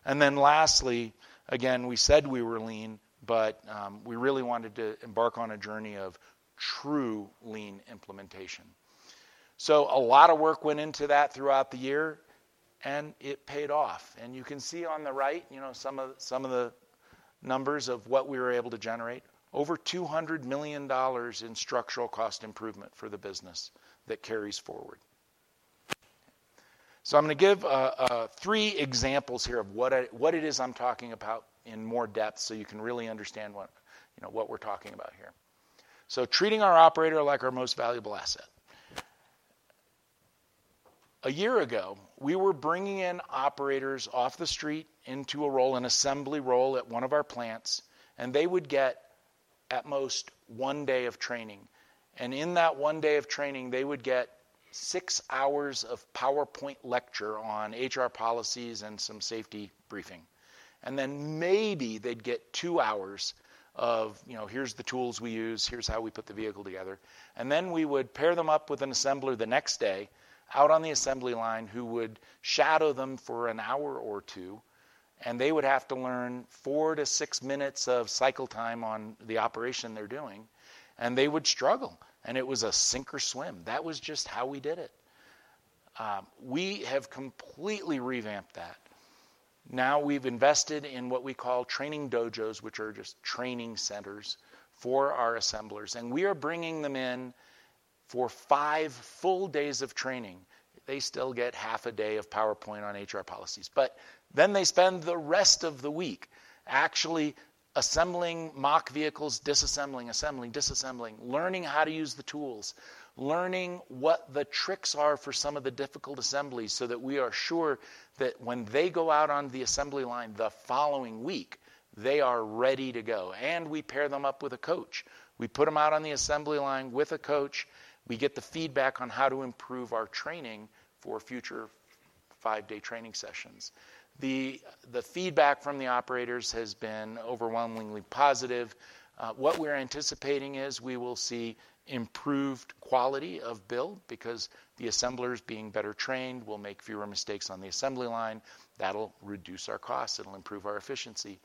Lastly, again, we said we were Lean. We really wanted to embark on a journey of true Lean implementation. A lot of work went into that throughout the year. It paid off. You can see on the right, you know, some of the numbers of what we were able to generate: over $200 million in structural cost improvement for the business that carries forward. I'm going to give three examples here of what it is I'm talking about in more depth so you can really understand what we're talking about here. Treating our operator like our most valuable asset. A year ago, we were bringing in operators off the street into a rolling assembly roll at one of our plants. They would get at most one day of training. In that one day of training, they would get six hours of PowerPoint lecture on HR policies and some safety briefing. Then maybe they'd get two hours of, you know, here's the tools we use, here's how we put the vehicle together. We would pair them up with an assembler the next day out on the assembly line who would shadow them for an hour or two. They would have to learn four to six minutes of cycle time on the operation they're doing. They would struggle. It was a sink or swim. That was just how we did it. We have completely revamped that. Now we've invested in what we call training dojos, which are just training centers for our assemblers. We are bringing them in for five full days of training. They still get half a day of PowerPoint on HR policies. They spend the rest of the week actually assembling mock vehicles, disassembling, assembling, disassembling, learning how to use the tools, learning what the tricks are for some of the difficult assemblies so that we are sure that when they go out on the assembly line the following week, they are ready to go. We pair them up with a coach. We put them out on the assembly line with a coach. We get the feedback on how to improve our training for future five-day training sessions. The feedback from the operators has been overwhelmingly positive. What we're anticipating is we will see improved quality of build because the assemblers being better trained will make fewer mistakes on the assembly line. That'll reduce our costs. It'll improve our efficiency.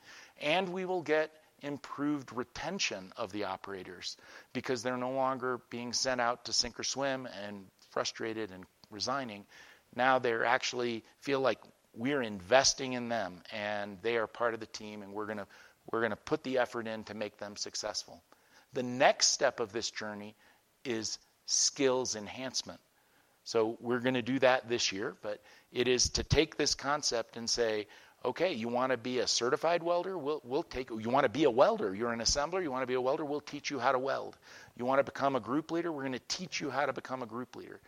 We will get improved retention of the operators because they're no longer being sent out to sink or swim and frustrated and resigning. Now they actually feel like we're investing in them. They are part of the team. We're going to put the effort in to make them successful. The next step of this journey is skills enhancement. We're going to do that this year. It is to take this concept and say, "Okay, you want to be a certified welder? We'll take you. You want to be a welder? You're an assembler? You want to be a welder? We'll teach you how to weld. You want to become a group leader? We're going to teach you how to become a group leader."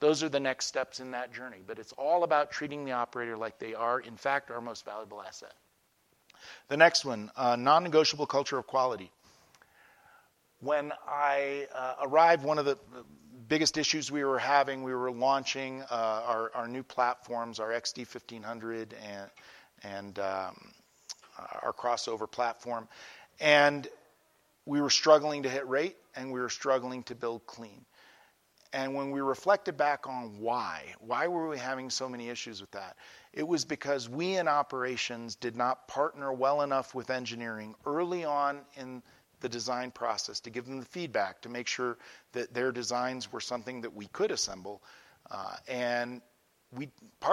Those are the next steps in that journey. It is all about treating the operator like they are, in fact, our most valuable asset. The next one, non-negotiable culture of quality. When I arrived, one of the biggest issues we were having, we were launching our new platforms, our XD1500 and our crossover platform. We were struggling to hit rate. We were struggling to build cLean. When we reflected back on why, why were we having so many issues with that? It was because we in operations did not partner well enough with engineering early on in the design process to give them the feedback to make sure that their designs were something that we could assemble. Part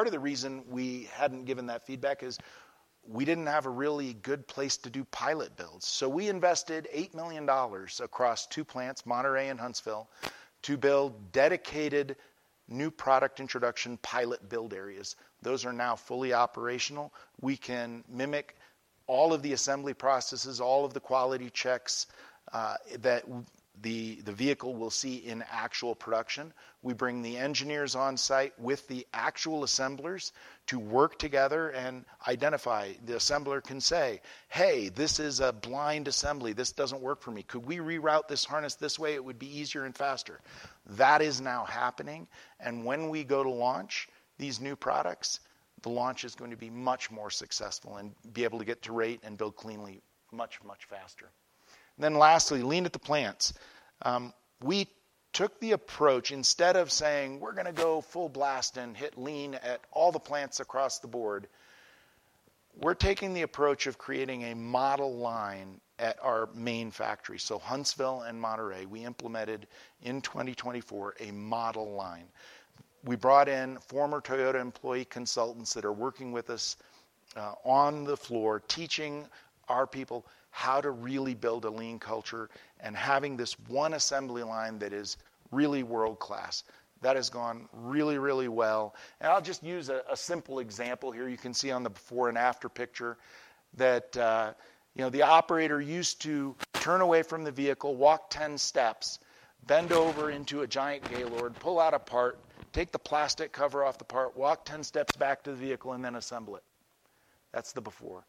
of the reason we had not given that feedback is we did not have a really good place to do pilot builds. We invested $8 million across two plants, Monterey and Huntsville, to build dedicated new product introduction pilot build areas. Those are now fully operational. We can mimic all of the assembly processes, all of the quality checks that the vehicle will see in actual production. We bring the engineers on site with the actual assemblers to work together and identify. The assembler can say, "Hey, this is a blind assembly. This doesn't work for me. Could we reroute this harness this way? It would be easier and faster." That is now happening. When we go to launch these new products, the launch is going to be much more successful and be able to get to rate and build cLeanly much, much faster. Lastly, Lean at the plants. We took the approach instead of saying, "We're going to go full blast and hit Lean at all the plants across the board," we're taking the approach of creating a model line at our main factory, so Huntsville and Monterey. We implemented in 2024 a model line. We brought in former Toyota employee consultants that are working with us on the floor teaching our people how to really build a Lean culture and having this one assembly line that is really world-class. That has gone really, really well. I'll just use a simple example here. You can see on the before and after picture that, you know, the operator used to turn away from the vehicle, walk 10 steps, bend over into a giant Gaylord, pull out a part, take the plastic cover off the part, walk 10 steps back to the vehicle, and then assemble it. That's the before.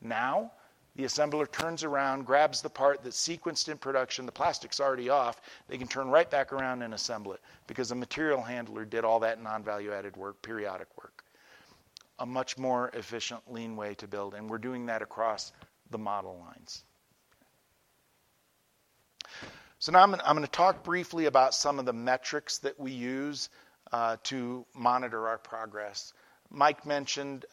Now the assembler turns around, grabs the part that's sequenced in production. The plastic's already off. They can turn right back around and assemble it because a material handler did all that non-value-added work, periodic work. A much more efficient Lean way to build. We're doing that across the model lines. Now I'm going to talk briefly about some of the metrics that we use to monitor our progress. Mike mentioned,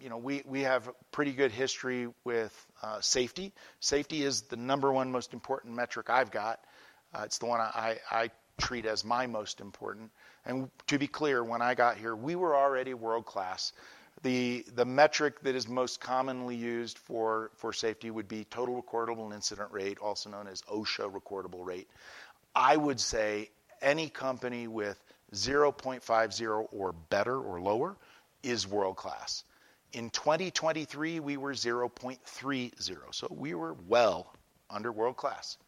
you know, we have a pretty good history with safety. Safety is the number one most important metric I've got. It's the one I treat as my most important. To be clear, when I got here, we were already world-class. The metric that is most commonly used for safety would be total recordable incident rate, also known as OSHA recordable rate. I would say any company with 0.50 or better or lower is world-class. In 2023, we were 0.30. So we were well under world-class.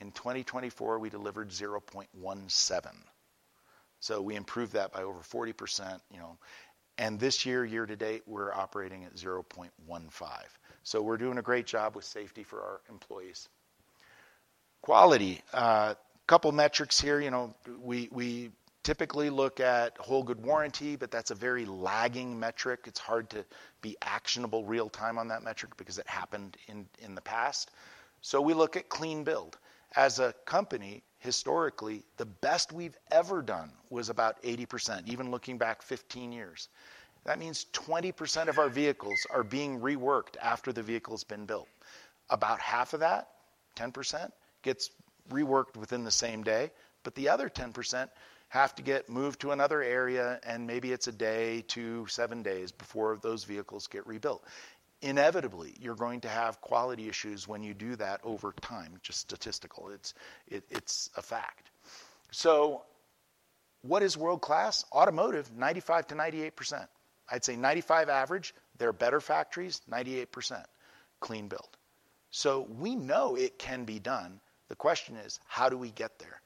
In 2024, we delivered 0.17. So we improved that by over 40%, you know. And this year, year to date, we're operating at 0.15. So we're doing a great job with safety for our employees. Quality, a couple of metrics here. You know, we typically look at whole good warranty, but that's a very lagging metric. It's hard to be actionable real-time on that metric because it happened in the past. So we look at cLean build. As a company, historically, the best we've ever done was about 80%, even looking back 15 years. That means 20% of our vehicles are being reworked after the vehicle's been built. About half of that, 10%, gets reworked within the same day. The other 10% have to get moved to another area. Maybe it is a day to seven days before those vehicles get rebuilt. Inevitably, you are going to have quality issues when you do that over time, just statistical. It is a fact. What is world-class? Automotive, 95%-98%. I would say 95% average. There are better factories, 98% cLean build. We know it can be done. The question is, how do we get there?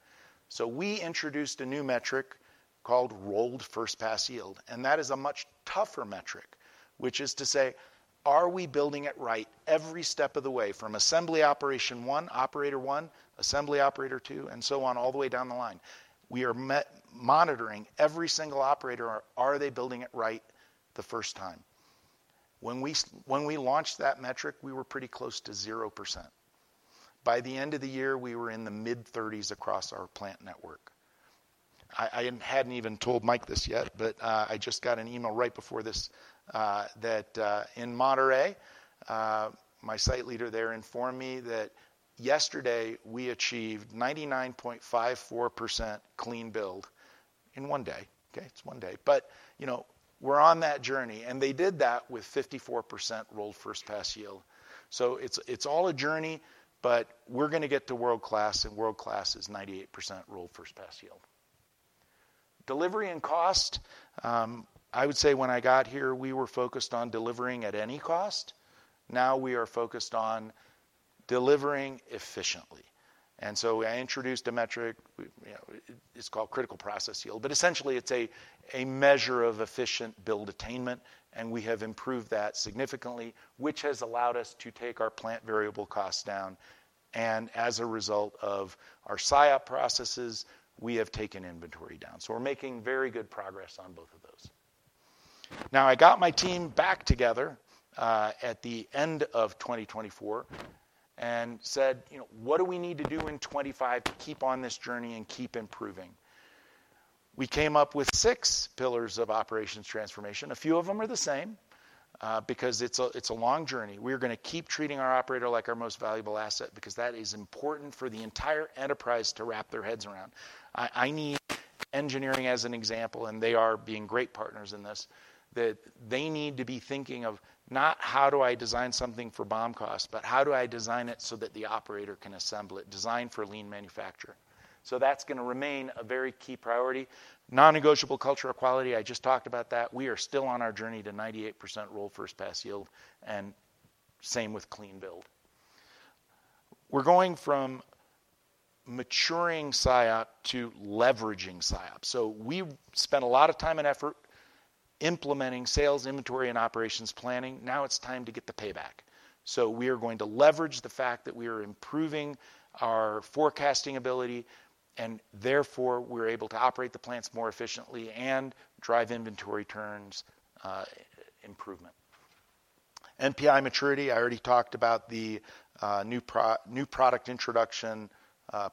We introduced a new metric called rolled first pass yield. That is a much tougher metric, which is to say, are we building it right every step of the way from assembly operation one, operator one, assembly operator two, and so on all the way down the line? We are monitoring every single operator. Are they building it right the first time? When we launched that metric, we were pretty close to 0%. By the end of the year, we were in the mid-30% across our plant network. I had not even told Mike this yet, but I just got an email right before this that in Monterey, my site leader there informed me that yesterday we achieved 99.54% cLean build in one day. Okay, it is one day. You know, we are on that journey. They did that with 54% rolled first pass yield. It is all a journey. We are going to get to world-class. World-class is 98% rolled first pass yield. Delivery and cost, I would say when I got here, we were focused on delivering at any cost. Now we are focused on delivering efficiently. I introduced a metric. It is called critical process yield. Essentially, it is a measure of efficient build attainment. We have improved that significantly, which has allowed us to take our plant variable costs down. As a result of our SIOP processes, we have taken inventory down. We are making very good progress on both of those. I got my team back together at the end of 2024 and said, you know, what do we need to do in 2025 to keep on this journey and keep improving? We came up with six pillars of operations transformation. A few of them are the same because it is a long journey. We are going to keep treating our operator like our most valuable asset because that is important for the entire enterprise to wrap their heads around. I need engineering as an example. They are being great partners in this. They need to be thinking of not how do I design something for bomb cost, but how do I design it so that the operator can assemble it, design for Lean manufacturer. That is going to remain a very key priority. Non-negotiable culture of quality. I just talked about that. We are still on our journey to 98% rolled first pass yield. Same with cLean build. We are going from maturing SIOP to leveraging SIOP. We spent a lot of time and effort implementing sales, inventory, and operations planning. Now it is time to get the payback. We are going to leverage the fact that we are improving our forecasting ability. Therefore, we are able to operate the plants more efficiently and drive inventory turns improvement. NPI maturity. I already talked about the new product introduction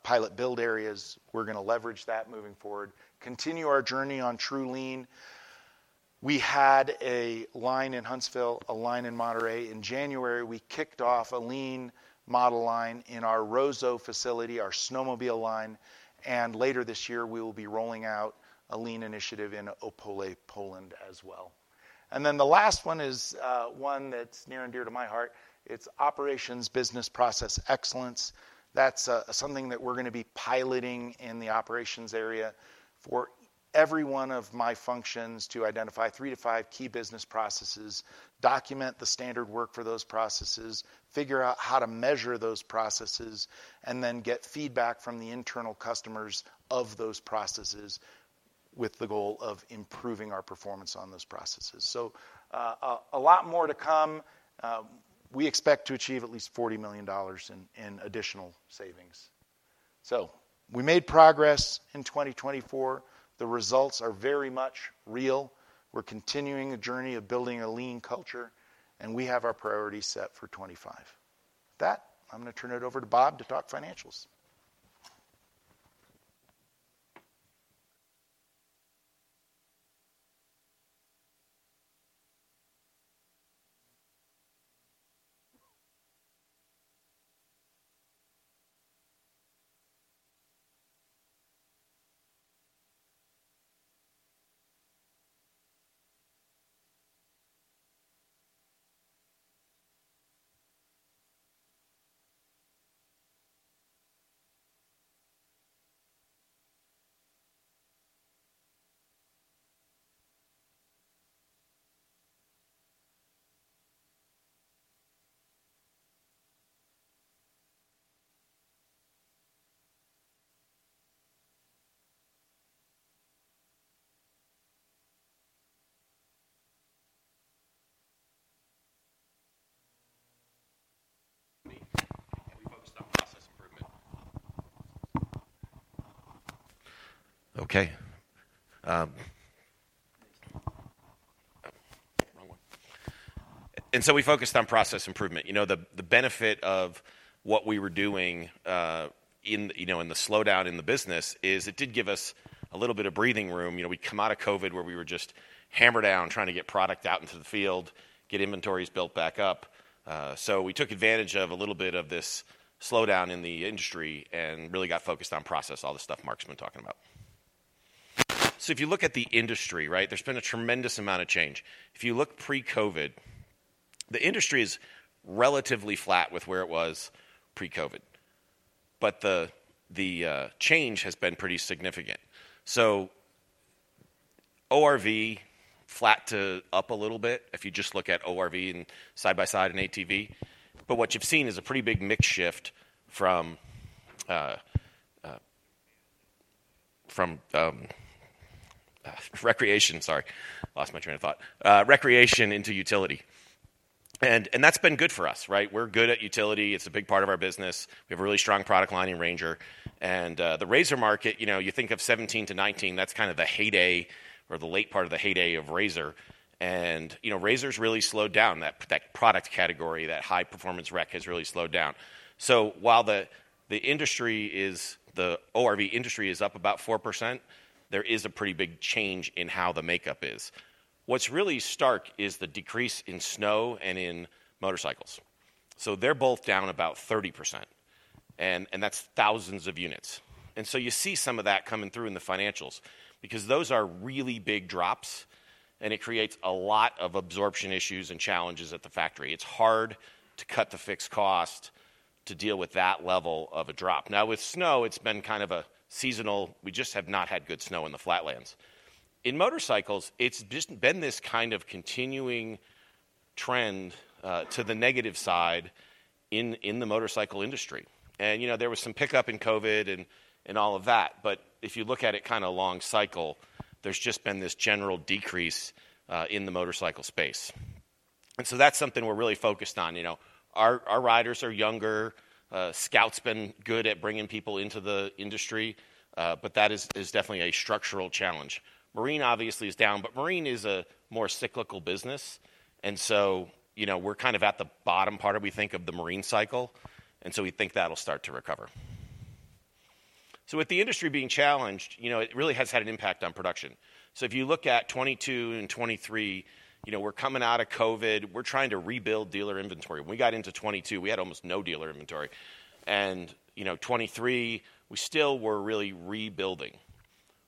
pilot build areas. We are going to leverage that moving forward. Continue our journey on true Lean. We had a line in Huntsville, a line in Monterey. In January, we kicked off a Lean model line in our Roseau facility, our snowmobile line. Later this year, we will be rolling out a Lean initiative in Opole, Poland as well. The last one is one that's near and dear to my heart. It's operations business process excellence. That's something that we're going to be piloting in the operations area for every one of my functions to identify three to five key business processes, document the standard work for those processes, figure out how to measure those processes, and then get feedback from the internal customers of those processes with the goal of improving our performance on those processes. A lot more to come. We expect to achieve at least $40 million in additional savings. We made progress in 2024. The results are very much real. We're continuing the journey of building a Lean culture. We have our priorities set for 2025. With that, I'm going to turn it over to Bob to talk financials. Okay. We focused on process improvement. You know, the benefit of what we were doing in the slowdown in the business is it did give us a little bit of breathing room. You know, we'd come out of COVID where we were just hammered down trying to get product out into the field, get inventories built back up. We took advantage of a little bit of this slowdown in the industry and really got focused on process, all the stuff Marc's been talking about. If you look at the industry, right, there's been a tremendous amount of change. If you look pre-COVID, the industry is relatively flat with where it was pre-COVID. The change has been pretty significant. ORV flat to up a little bit if you just look at ORV and side by side in ATV. What you've seen is a pretty big mix shift from recreation, sorry, lost my train of thought, recreation into utility. That's been good for us, right? We're good at utility. It's a big part of our business. We have a really strong product line in Ranger. The RZR market, you know, you think of 2017 to 2019, that's kind of the heyday or the late part of the heyday of RZR. You know, RZR's really slowed down. That product category, that high performance rec has really slowed down. While the industry is, the ORV industry is up about 4%, there is a pretty big change in how the makeup is. What's really stark is the decrease in snow and in motorcycles. They're both down about 30%. That's thousands of units. You see some of that coming through in the financials because those are really big drops. It creates a lot of absorption issues and challenges at the factory. It's hard to cut the fixed cost to deal with that level of a drop. With snow, it's been kind of a seasonal. We just have not had good snow in the flatlands. In motorcycles, it's just been this kind of continuing trend to the negative side in the motorcycle industry. You know, there was some pickup in COVID and all of that. If you look at it kind of long cycle, there's just been this general decrease in the motorcycle space. That is something we're really focused on. You know, our riders are younger. Scout's been good at bringing people into the industry. That is definitely a structural challenge. Marine obviously is down. Marine is a more cyclical business. You know, we're kind of at the bottom part of, we think, of the marine cycle. We think that'll start to recover. With the industry being challenged, you know, it really has had an impact on production. If you look at 2022 and 2023, you know, we're coming out of COVID. We're trying to rebuild dealer inventory. When we got into 2022, we had almost no dealer inventory. You know, 2023, we still were really rebuilding.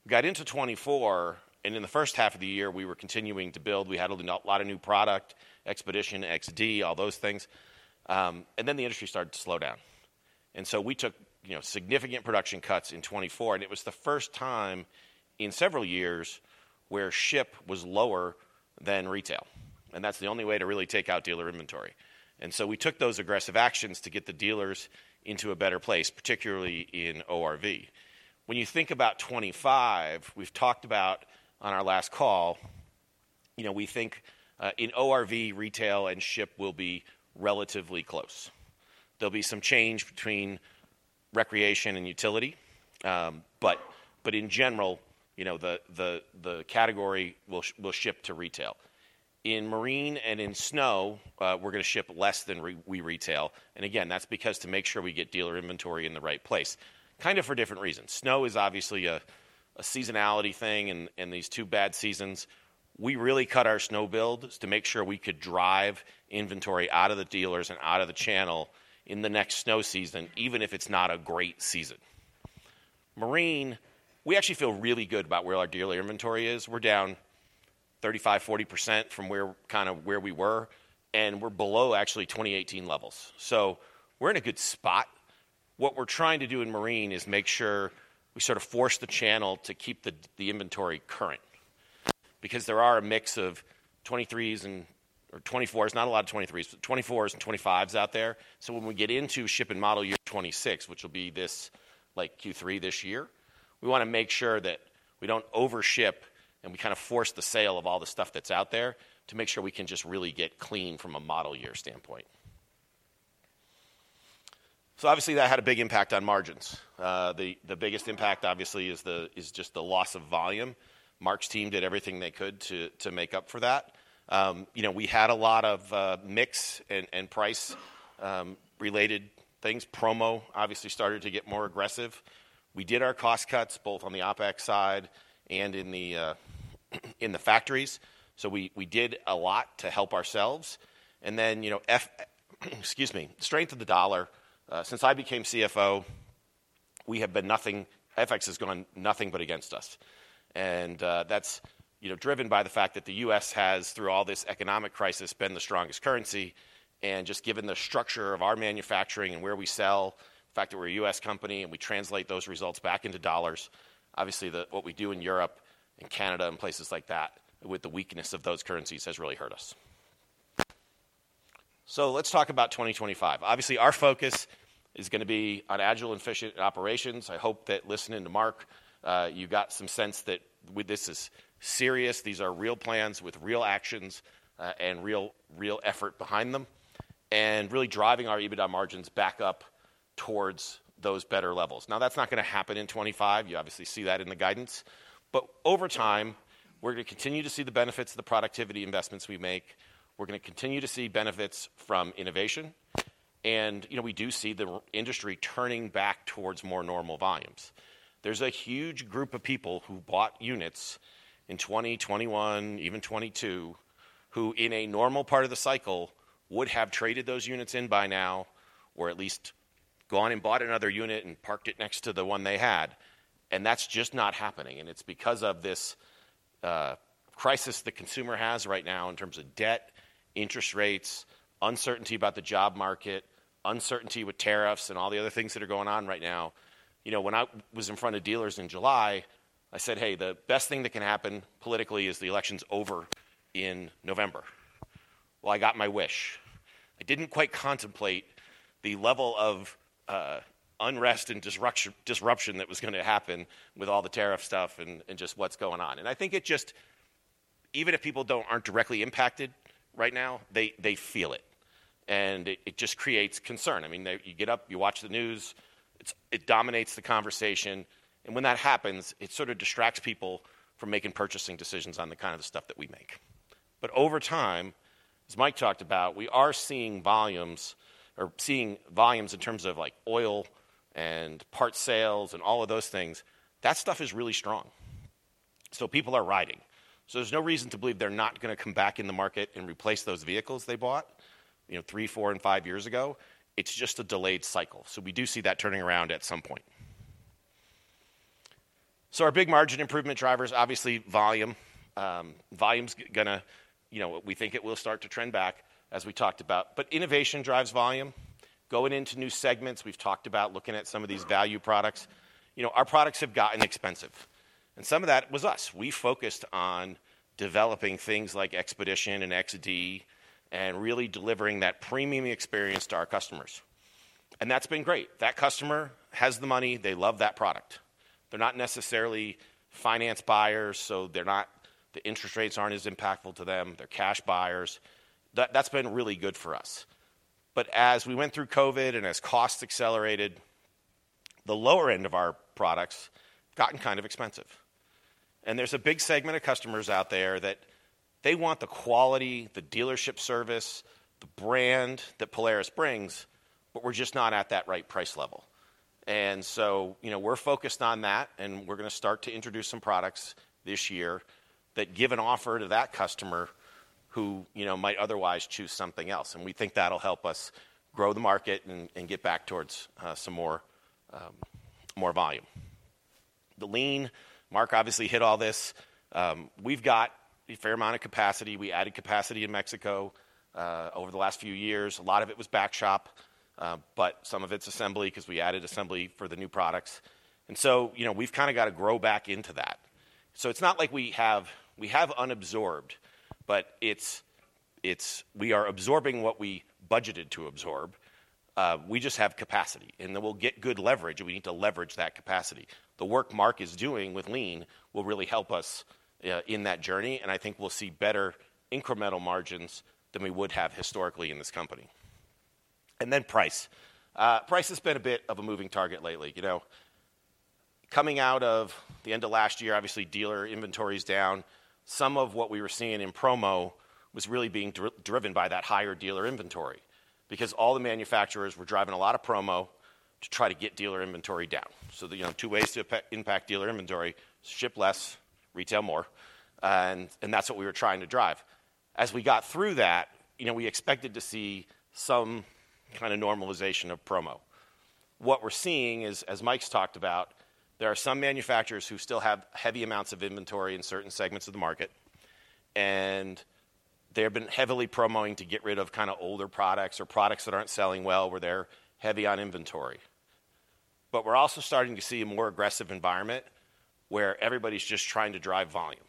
We got into 2024. In the first half of the year, we were continuing to build. We had a lot of new product, Expedition XD, all those things. The industry started to slow down. We took, you know, significant production cuts in 2024. It was the first time in several years where ship was lower than retail. That is the only way to really take out dealer inventory. We took those aggressive actions to get the dealers into a better place, particularly in ORV. When you think about 2025, we have talked about on our last call, you know, we think in ORV, retail and ship will be relatively close. There will be some change between recreation and utility. In general, you know, the category will shift to retail. In marine and in snow, we are going to ship less than we retail. That is because to make sure we get dealer inventory in the right place, kind of for different reasons. Snow is obviously a seasonality thing. These two bad seasons, we really cut our snow builds to make sure we could drive inventory out of the dealers and out of the channel in the next snow season, even if it is not a great season. Marine, we actually feel really good about where our dealer inventory is. We are down 35%-40% from kind of where we were. We are below actually 2018 levels. We are in a good spot. What we are trying to do in marine is make sure we sort of force the channel to keep the inventory current because there are a mix of '23s and or '24s, not a lot of '23s, but '24s and '25s out there. When we get into ship in model year 2026, which will be this like Q3 this year, we want to make sure that we do not overship and we kind of force the sale of all the stuff that is out there to make sure we can just really get cLean from a model year standpoint. Obviously, that had a big impact on margins. The biggest impact, obviously, is just the loss of volume. Marc's team did everything they could to make up for that. You know, we had a lot of mix and price-related things. Promo obviously started to get more aggressive. We did our cost cuts both on the OpEx side and in the factories. We did a lot to help ourselves. You know, excuse me, strength of the dollar. Since I became CFO, we have been nothing. FX has gone nothing but against us. That's, you know, driven by the fact that the U.S. has, through all this economic crisis, been the strongest currency. Just given the structure of our manufacturing and where we sell, the fact that we're a U.S. company and we translate those results back into dollars, obviously what we do in Europe and Canada and places like that with the weakness of those currencies has really hurt us. Let's talk about 2025. Obviously, our focus is going to be on agile and efficient operations. I hope that listening to Marc, you got some sense that this is serious. These are real plans with real actions and real effort behind them and really driving our EBITDA margins back up towards those better levels. Now, that's not going to happen in 2025. You obviously see that in the guidance. Over time, we're going to continue to see the benefits of the productivity investments we make. We're going to continue to see benefits from innovation. You know, we do see the industry turning back towards more normal volumes. There's a huge group of people who bought units in 2020, 2021, even 2022, who in a normal part of the cycle would have traded those units in by now or at least gone and bought another unit and parked it next to the one they had. That's just not happening. It's because of this crisis the consumer has right now in terms of debt, interest rates, uncertainty about the job market, uncertainty with tariffs and all the other things that are going on right now. You know, when I was in front of dealers in July, I said, "Hey, the best thing that can happen politically is the election's over in November." I got my wish. I did not quite contemplate the level of unrest and disruption that was going to happen with all the tariff stuff and just what is going on. I think it just, even if people are not directly impacted right now, they feel it. It just creates concern. I mean, you get up, you watch the news, it dominates the conversation. When that happens, it sort of distracts people from making purchasing decisions on the kind of the stuff that we make. Over time, as Mike talked about, we are seeing volumes or seeing volumes in terms of like oil and part sales and all of those things. That stuff is really strong. People are riding. There is no reason to believe they're not going to come back in the market and replace those vehicles they bought, you know, three, four, and five years ago. It's just a delayed cycle. We do see that turning around at some point. Our big margin improvement drivers, obviously volume. Volume's going to, you know, we think it will start to trend back as we talked about. Innovation drives volume. Going into new segments, we've talked about looking at some of these value products. You know, our products have gotten expensive. Some of that was us. We focused on developing things like Expedition and XD and really delivering that premium experience to our customers. That's been great. That customer has the money. They love that product. They're not necessarily finance buyers, so they're not, the interest rates aren't as impactful to them. They're cash buyers. That's been really good for us. As we went through COVID and as costs accelerated, the lower end of our products has gotten kind of expensive. There is a big segment of customers out there that want the quality, the dealership service, the brand that Polaris brings, but we are just not at that right price level. You know, we are focused on that. We are going to start to introduce some products this year that give an offer to that customer who, you know, might otherwise choose something else. We think that will help us grow the market and get back towards some more volume. The Lean, Marc obviously hit all this. We have got a fair amount of capacity. We added capacity in Mexico over the last few years. A lot of it was back shop, but some of it's assembly because we added assembly for the new products. You know, we've kind of got to grow back into that. It's not like we have unabsorbed, but we are absorbing what we budgeted to absorb. We just have capacity. We will get good leverage, and we need to leverage that capacity. The work Marc is doing with Lean will really help us in that journey. I think we'll see better incremental margins than we would have historically in this company. Price has been a bit of a moving target lately. You know, coming out of the end of last year, obviously dealer inventory's down. Some of what we were seeing in promo was really being driven by that higher dealer inventory because all the manufacturers were driving a lot of promo to try to get dealer inventory down. You know, two ways to impact dealer inventory, ship less, retail more. And that's what we were trying to drive. As we got through that, you know, we expected to see some kind of normalization of promo. What we're seeing is, as Mike's talked about, there are some manufacturers who still have heavy amounts of inventory in certain segments of the market. They've been heavily promoting to get rid of kind of older products or products that aren't selling well where they're heavy on inventory. We're also starting to see a more aggressive environment where everybody's just trying to drive volume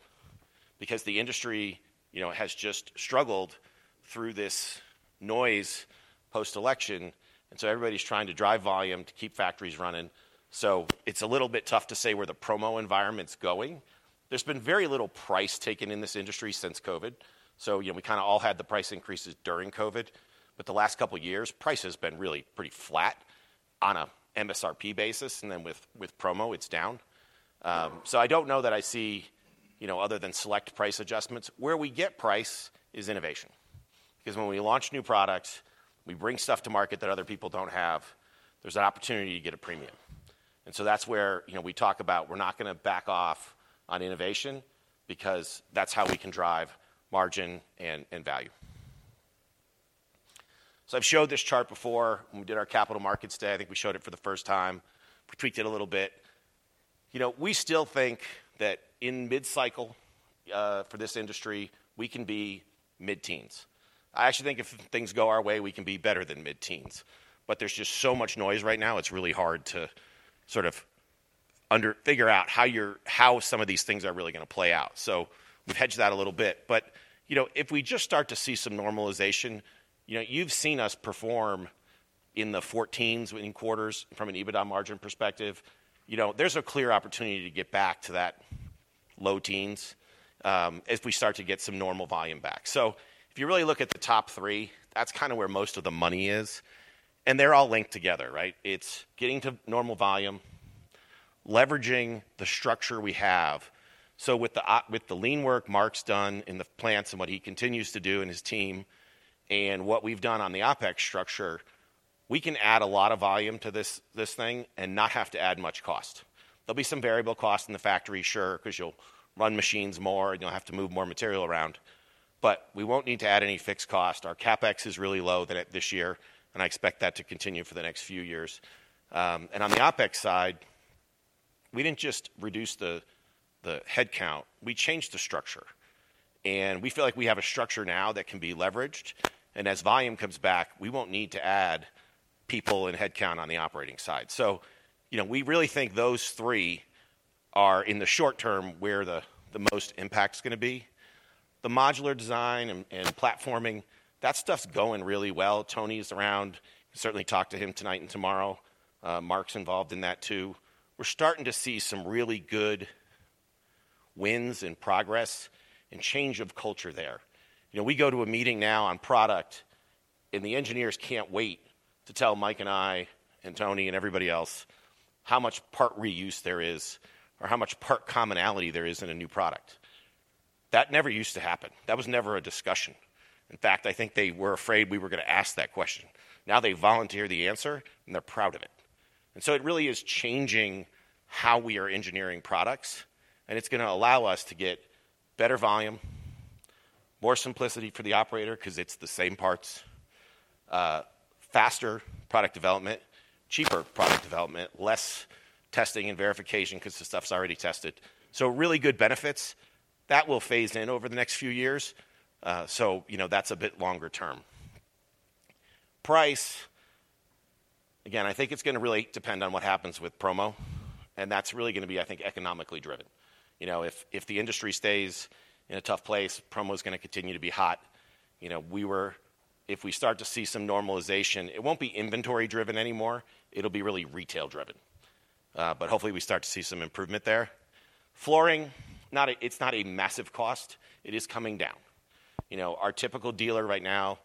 because the industry, you know, has just struggled through this noise post-election. Everybody's trying to drive volume to keep factories running. It's a little bit tough to say where the promo environment's going. There's been very little price taken in this industry since COVID. You know, we kind of all had the price increases during COVID. The last couple of years, price has been really pretty flat on an MSRP basis. With promo, it's down. I don't know that I see, you know, other than select price adjustments, where we get price is innovation. When we launch new products, we bring stuff to market that other people don't have. There's an opportunity to get a premium. That's where, you know, we talk about we're not going to back off on innovation because that's how we can drive margin and value. I've showed this chart before when we did our capital markets day. I think we showed it for the first time. We tweaked it a little bit. You know, we still think that in mid-cycle for this industry, we can be mid-teens. I actually think if things go our way, we can be better than mid-teens. There's just so much noise right now. It's really hard to sort of figure out how you're, how some of these things are really going to play out. We've hedged that a little bit. You know, if we just start to see some normalization, you know, you've seen us perform in the fourteens in quarters from an EBITDA margin perspective. You know, there's a clear opportunity to get back to that low teens as we start to get some normal volume back. If you really look at the top three, that's kind of where most of the money is. They're all linked together, right? It's getting to normal volume, leveraging the structure we have. With the Lean work Marc's done in the plants and what he continues to do in his team and what we've done on the OpEx structure, we can add a lot of volume to this thing and not have to add much cost. There'll be some variable cost in the factory, sure, because you'll run machines more and you'll have to move more material around. We won't need to add any fixed cost. Our CapEx is really low this year. I expect that to continue for the next few years. On the OpEx side, we didn't just reduce the headcount. We changed the structure. We feel like we have a structure now that can be leveraged. As volume comes back, we will not need to add people and headcount on the operating side. You know, we really think those three are in the short term where the most impact is going to be. The modular design and platforming, that stuff is going really well. Tony is around. Certainly talk to him tonight and tomorrow. Marc is involved in that too. We are starting to see some really good wins and progress and change of culture there. You know, we go to a meeting now on product and the engineers cannot wait to tell Mike and I and Tony and everybody else how much part reuse there is or how much part commonality there is in a new product. That never used to happen. That was never a discussion. In fact, I think they were afraid we were going to ask that question. Now they volunteer the answer and they're proud of it. It really is changing how we are engineering products. It's going to allow us to get better volume, more simplicity for the operator because it's the same parts, faster product development, cheaper product development, less testing and verification because the stuff's already tested. Really good benefits that will phase in over the next few years. You know, that's a bit longer term. Price, again, I think it's going to really depend on what happens with promo. That's really going to be, I think, economically driven. You know, if the industry stays in a tough place, promo's going to continue to be hot. You know, if we start to see some normalization, it won't be inventory driven anymore. It'll be really retail driven. Hopefully we start to see some improvement there. Flooring, it's not a massive cost. It is coming down. You know, our typical dealer right now,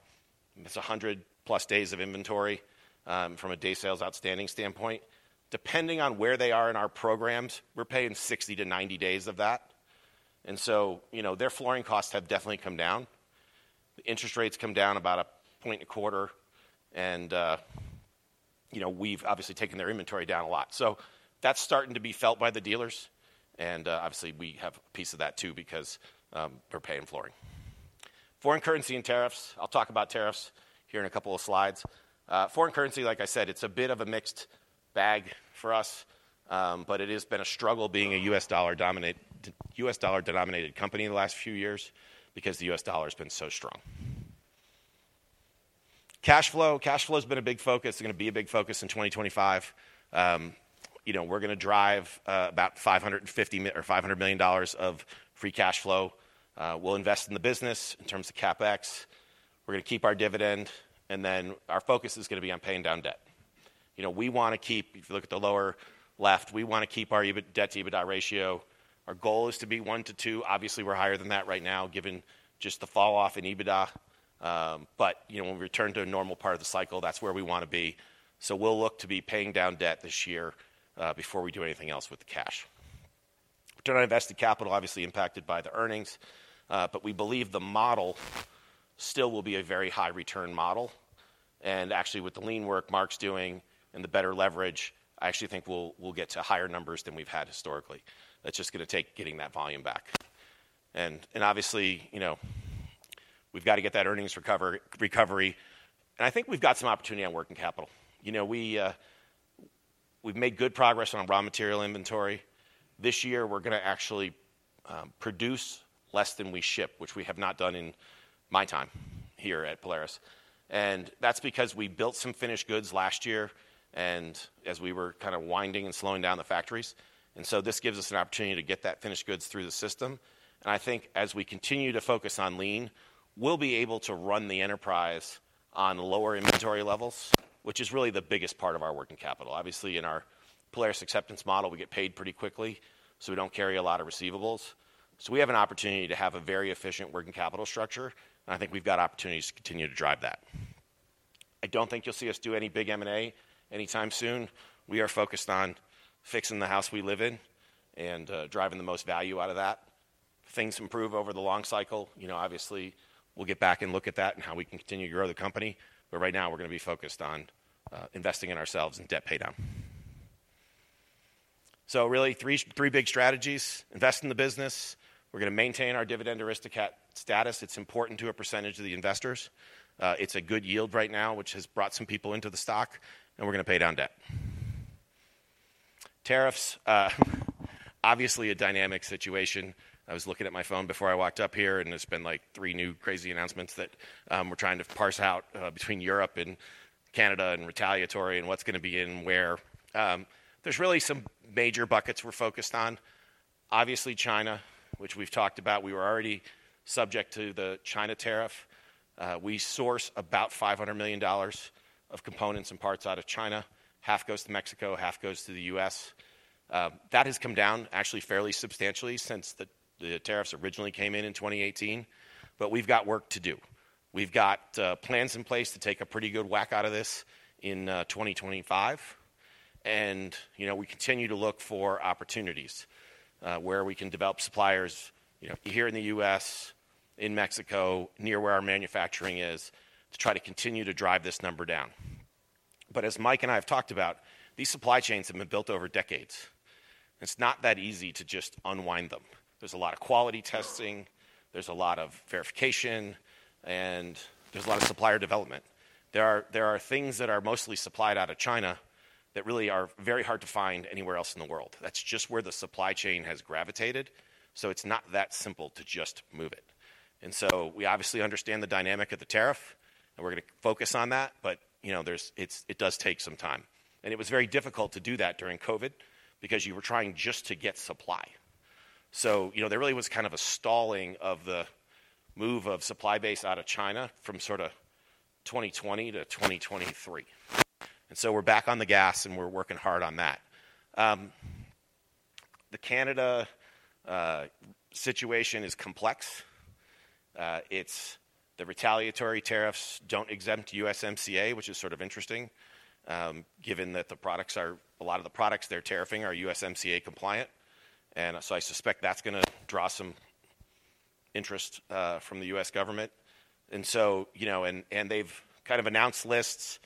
it's 100 plus days of inventory from a day sales outstanding standpoint. Depending on where they are in our programs, we're paying 60-90 days of that. You know, their flooring costs have definitely come down. Interest rates come down about a point and a quarter. You know, we've obviously taken their inventory down a lot. That's starting to be felt by the dealers. Obviously we have a piece of that too because we're paying flooring. Foreign currency and tariffs. I'll talk about tariffs here in a couple of slides. Foreign currency, like I said, it's a bit of a mixed bag for us. It has been a struggle being a U.S. Dollar denominated company in the last few years because the U.S. dollar has been so strong. Cash flow. Cash flow has been a big focus. It's going to be a big focus in 2025. You know, we're going to drive about $550 million or $500 million of free cash flow. We'll invest in the business in terms of CapEx. We're going to keep our dividend. Then our focus is going to be on paying down debt. You know, we want to keep, if you look at the lower left, we want to keep our debt to EBITDA ratio. Our goal is to be one to two. Obviously, we're higher than that right now given just the falloff in EBITDA. You know, when we return to a normal part of the cycle, that's where we want to be. We'll look to be paying down debt this year before we do anything else with the cash. Return on invested capital, obviously impacted by the earnings. We believe the model still will be a very high return model. Actually, with the Lean work Marc's doing and the better leverage, I actually think we'll get to higher numbers than we've had historically. That's just going to take getting that volume back. Obviously, you know, we've got to get that earnings recovery. I think we've got some opportunity on working capital. You know, we've made good progress on raw material inventory. This year we're going to actually produce less than we ship, which we have not done in my time here at Polaris. That's because we built some finished goods last year as we were kind of winding and slowing down the factories. This gives us an opportunity to get that finished goods through the system. I think as we continue to focus on Lean, we'll be able to run the enterprise on lower inventory levels, which is really the biggest part of our working capital. Obviously, in our Polaris acceptance model, we get paid pretty quickly. We do not carry a lot of receivables. We have an opportunity to have a very efficient working capital structure. I think we've got opportunities to continue to drive that. I do not think you'll see us do any big M&A anytime soon. We are focused on fixing the house we live in and driving the most value out of that. Things improve over the long cycle. You know, obviously we'll get back and look at that and how we can continue to grow the company. Right now we're going to be focused on investing in ourselves and debt pay down. Really three big strategies. Invest in the business. We're going to maintain our dividend aristocrat status. It's important to a percentage of the investors. It's a good yield right now, which has brought some people into the stock. We're going to pay down debt. Tariffs. Obviously a dynamic situation. I was looking at my phone before I walked up here. There's been like three new crazy announcements that we're trying to parse out between Europe and Canada and retaliatory and what's going to be in where. There's really some major buckets we're focused on. Obviously China, which we've talked about. We were already subject to the China tariff. We source about $500 million of components and parts out of China. Half goes to Mexico. Half goes to the U.S. That has come down actually fairly substantially since the tariffs originally came in in 2018. We have got work to do. We have got plans in place to take a pretty good whack out of this in 2025. You know, we continue to look for opportunities where we can develop suppliers, you know, here in the U.S., in Mexico, near where our manufacturing is to try to continue to drive this number down. As Mike and I have talked about, these Supply Chains have been built over decades. It is not that easy to just unwind them. There is a lot of quality testing. There is a lot of verification. There is a lot of supplier development. There are things that are mostly supplied out of China that really are very hard to find anywhere else in the world. That is just where the Supply Chain has gravitated. It is not that simple to just move it. We obviously understand the dynamic of the tariff, and we are going to focus on that. You know, it does take some time. It was very difficult to do that during COVID because you were trying just to get supply. There really was kind of a stalling of the move of supply base out of China from 2020 to 2023. We are back on the gas and we are working hard on that. The Canada situation is complex. The retaliatory tariffs do not exempt USMCA, which is sort of interesting given that a lot of the products they are tariffing are USMCA compliant. I suspect that is going to draw some interest from the U.S. government. You know, they have kind of announced lists.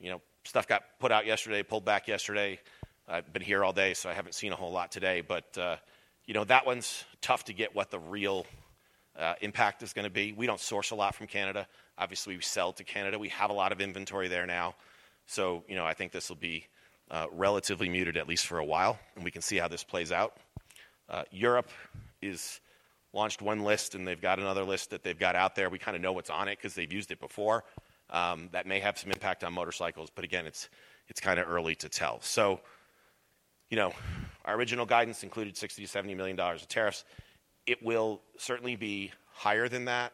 You know, stuff got put out yesterday, pulled back yesterday. I've been here all day so I haven't seen a whole lot today. But, you know, that one's tough to get what the real impact is going to be. We don't source a lot from Canada. Obviously, we sell to Canada. We have a lot of inventory there now. You know, I think this will be relatively muted at least for a while. We can see how this plays out. Europe has launched one list and they've got another list that they've got out there. We kind of know what's on it because they've used it before. That may have some impact on motorcycles. Again, it's kind of early to tell. You know, our original guidance included $60-$70 million of tariffs. It will certainly be higher than that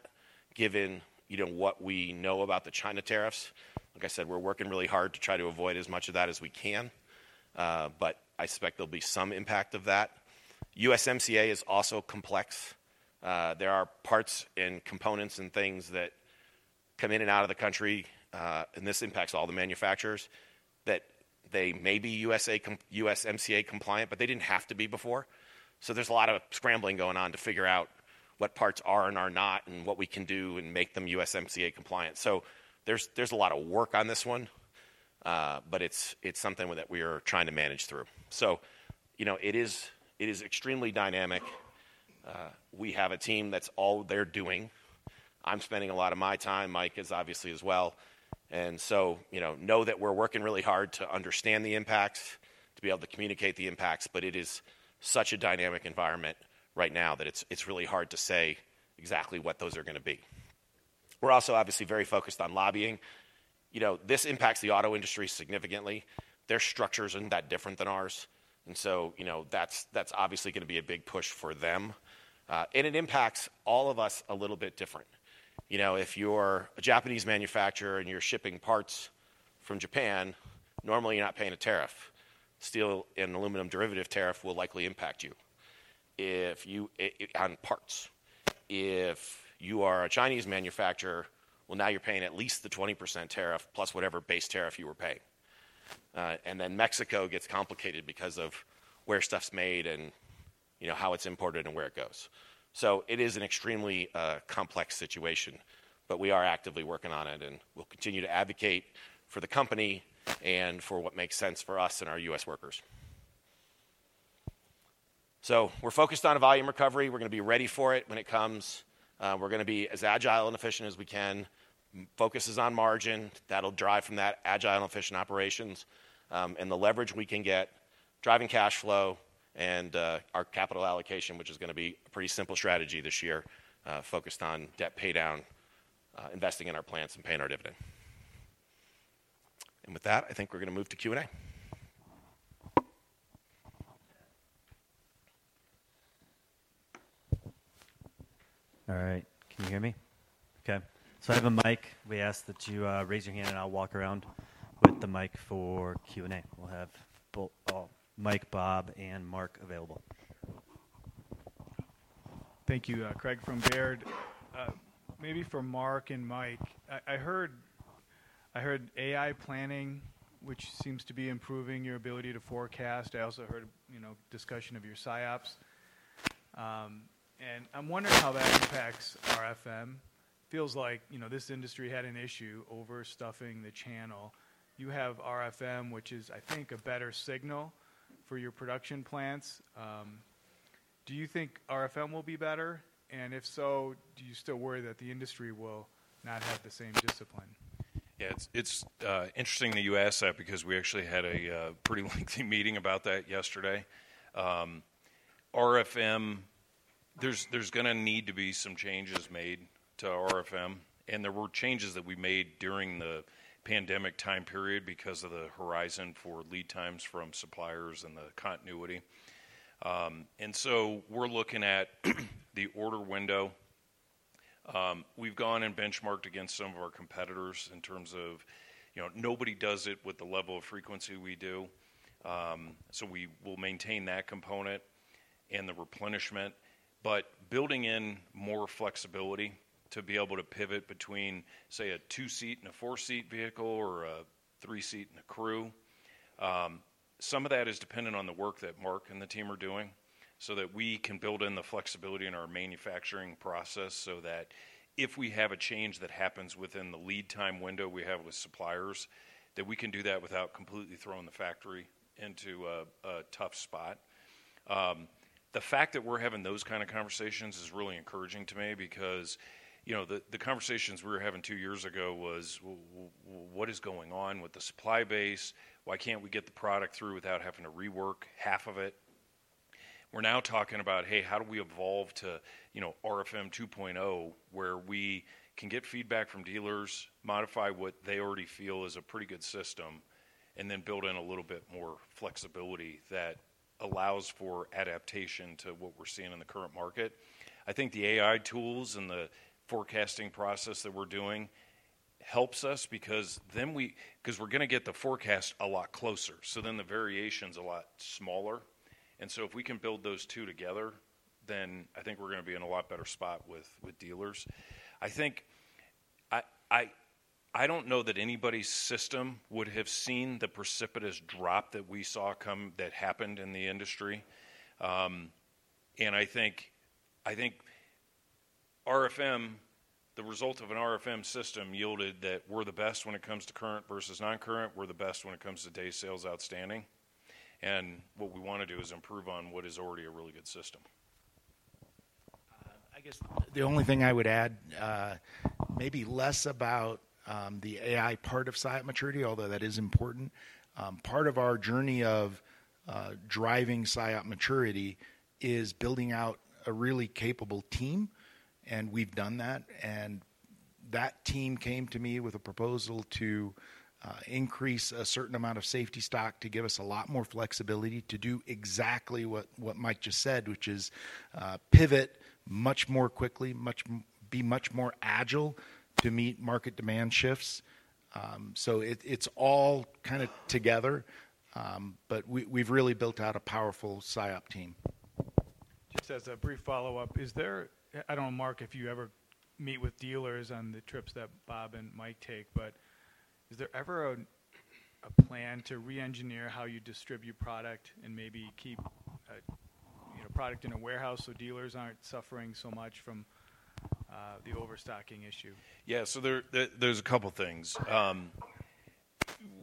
given, you know, what we know about the China tariffs. Like I said, we're working really hard to try to avoid as much of that as we can. I suspect there'll be some impact of that. USMCA is also complex. There are parts and components and things that come in and out of the country. This impacts all the manufacturers that they may be USMCA compliant, but they didn't have to be before. There's a lot of scrambling going on to figure out what parts are and are not and what we can do and make them USMCA compliant. There's a lot of work on this one. It is something that we are trying to manage through. You know, it is extremely dynamic. We have a team that's all they're doing. I'm spending a lot of my time. Mike is obviously as well. And so, you know, know that we're working really hard to understand the impacts, to be able to communicate the impacts. It is such a dynamic environment right now that it's really hard to say exactly what those are going to be. We're also obviously very focused on lobbying. You know, this impacts the auto industry significantly. Their structure isn't that different than ours. And so, you know, that's obviously going to be a big push for them. It impacts all of us a little bit different. You know, if you're a Japanese manufacturer and you're shipping parts from Japan, normally you're not paying a tariff. Steel and aluminum derivative tariff will likely impact you on parts. If you are a Chinese manufacturer, well, now you're paying at least the 20% tariff plus whatever base tariff you were paying. Mexico gets complicated because of where stuff's made and, you know, how it's imported and where it goes. It is an extremely complex situation. We are actively working on it. We'll continue to advocate for the company and for what makes sense for us and our U.S. workers. We're focused on volume recovery. We're going to be ready for it when it comes. We're going to be as agile and efficient as we can. Focus is on margin. That'll drive from that agile and efficient operations and the leverage we can get, driving cash flow and our capital allocation, which is going to be a pretty simple strategy this year, focused on debt pay down, investing in our plants and paying our dividend. With that, I think we're going to move to Q&A. All right. Can you hear me? Okay.I have a mic. We ask that you raise your hand and I'll walk around with the mic for Q&A. We'll have Mike, Bob, and Marc available. Thank you, Craig from Baird. Maybe for Marc and Mike, I heard AI planning, which seems to be improving your ability to forecast. I also heard, you know, discussion of your SIOP. And I'm wondering how that impacts RFM. It feels like, you know, this industry had an issue overstuffing the channel. You have RFM, which is, I think, a better signal for your production plants. Do you think RFM will be better? And if so, do you still worry that the industry will not have the same discipline? Yeah, it's interesting that you ask that because we actually had a pretty lengthy meeting about that yesterday. RFM, there's going to need to be some changes made to RFM. There were changes that we made during the pandemic time period because of the horizon for lead times from suppliers and the continuity. We are looking at the order window. We have gone and benchmarked against some of our competitors in terms of, you know, nobody does it with the level of frequency we do. We will maintain that component and the replenishment. Building in more flexibility to be able to pivot between, say, a two-seat and a four-seat vehicle or a three-seat and a crew. Some of that is dependent on the work that Marc and the team are doing so that we can build in the flexibility in our manufacturing process so that if we have a change that happens within the lead time window we have with suppliers, we can do that without completely throwing the factory into a tough spot. The fact that we're having those kind of conversations is really encouraging to me because, you know, the conversations we were having two years ago was, what is going on with the supply base? Why can't we get the product through without having to rework half of it? We're now talking about, hey, how do we evolve to, you know, RFM 2.0 where we can get feedback from dealers, modify what they already feel is a pretty good system, and then build in a little bit more flexibility that allows for adaptation to what we're seeing in the current market. I think the AI tools and the forecasting process that we're doing helps us because then we, because we're going to get the forecast a lot closer. So then the variation's a lot smaller. If we can build those two together, then I think we're going to be in a lot better spot with dealers. I think I don't know that anybody's system would have seen the precipitous drop that we saw come that happened in the industry. I think RFM, the result of an RFM system, yielded that we're the best when it comes to current versus non-current. We're the best when it comes to day sales outstanding. What we want to do is improve on what is already a really good system. I guess the only thing I would add, maybe less about the AI part of SIOP maturity, although that is important. Part of our journey of driving SIOP maturity is building out a really capable team. We've done that. That team came to me with a proposal to increase a certain amount of safety stock to give us a lot more flexibility to do exactly what Mike just said, which is pivot much more quickly, be much more agile to meet market demand shifts. It is all kind of together. We have really built out a powerful SIOP team. Just as a brief follow-up, is there, I do not know, Marc, if you ever meet with dealers on the trips that Bob and Mike take, but is there ever a plan to re-engineer how you distribute product and maybe keep, you know, product in a warehouse so dealers are not suffering so much from the overstocking issue? Yeah, there are a couple of things.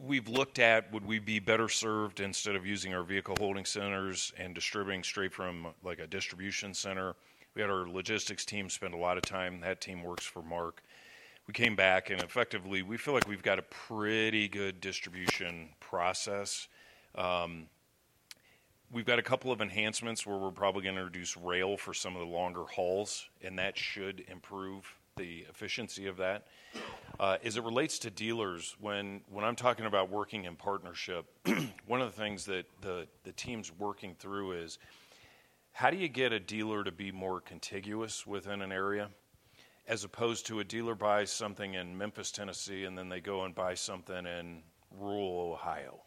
We have looked at would we be better served instead of using our vehicle holding centers and distributing straight from like a distribution center. We had our logistics team spend a lot of time. That team works for Marc. We came back and effectively we feel like we've got a pretty good distribution process. We've got a couple of enhancements where we're probably going to reduce rail for some of the longer hauls. That should improve the efficiency of that. As it relates to dealers, when I'm talking about working in partnership, one of the things that the team's working through is how do you get a dealer to be more contiguous within an area as opposed to a dealer buys something in Memphis, Tennessee, and then they go and buy something in rural Ohio.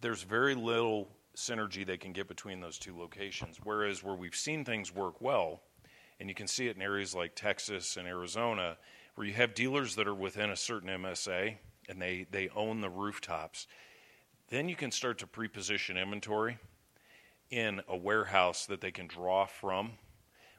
There's very little synergy they can get between those two locations. Whereas where we've seen things work well, and you can see it in areas like Texas and Arizona where you have dealers that are within a certain MSA and they own the rooftops, you can start to pre-position inventory in a warehouse that they can draw from.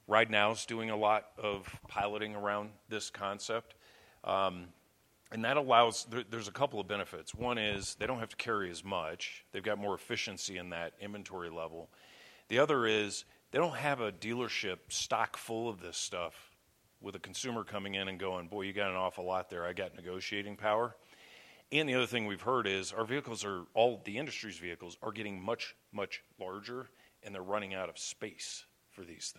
RideNow is doing a lot of piloting around this concept. That allows, there's a couple of benefits. One is they don't have to carry as much. They've got more efficiency in that inventory level. The other is they don't have a dealership stock full of this stuff with a consumer coming in and going, boy, you got an awful lot there. I got negotiating power. The other thing we've heard is our vehicles are all, the industry's vehicles are getting much, much larger and they're running out of space for these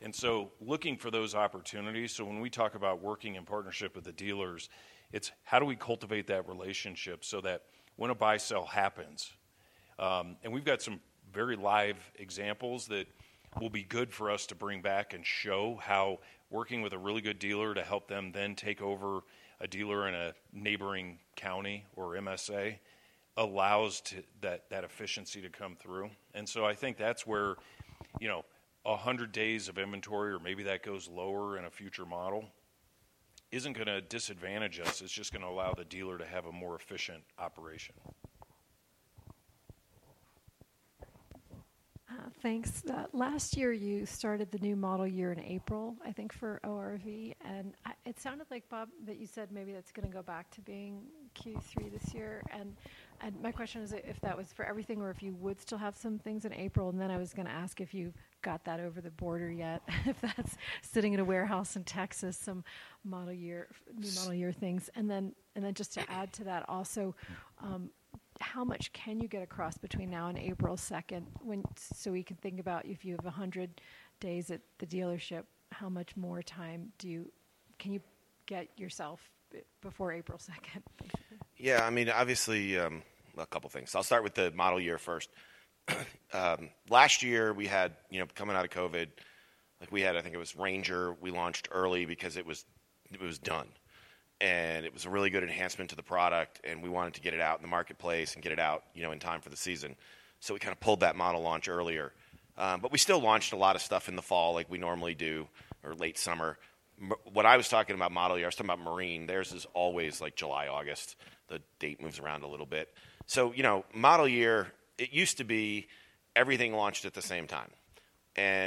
things. Looking for those opportunities. When we talk about working in partnership with the dealers, it's how do we cultivate that relationship so that when a buy-sell happens, and we've got some very live examples that will be good for us to bring back and show how working with a really good dealer to help them then take over a dealer in a neighboring county or MSA allows that efficiency to come through. I think that's where, you know, a hundred days of inventory or maybe that goes lower in a future model isn't going to disadvantage us. It's just going to allow the dealer to have a more efficient operation. Thanks. Last year you started the new model year in April, I think for ORV. It sounded like, Bob, that you said maybe that's going to go back to being Q3 this year. My question is if that was for everything or if you would still have some things in April. I was going to ask if you got that over the border yet, if that is sitting in a warehouse in Texas, some model year, new model year things. Just to add to that also, how much can you get across between now and April 2? We can think about if you have 100 days at the dealership, how much more time do you, can you get yourself before April 2? Yeah, I mean, obviously a couple of things. I'll start with the model year first. Last year we had, you know, coming out of COVID, like we had, I think it was Ranger, we launched early because it was done. It was a really good enhancement to the product. We wanted to get it out in the marketplace and get it out, you know, in time for the season. We kind of pulled that model launch earlier. We still launched a lot of stuff in the fall like we normally do or late summer. What I was talking about model year, I was talking about Marine. Theirs is always like July, August. The date moves around a little bit. You know, model year, it used to be everything launched at the same time.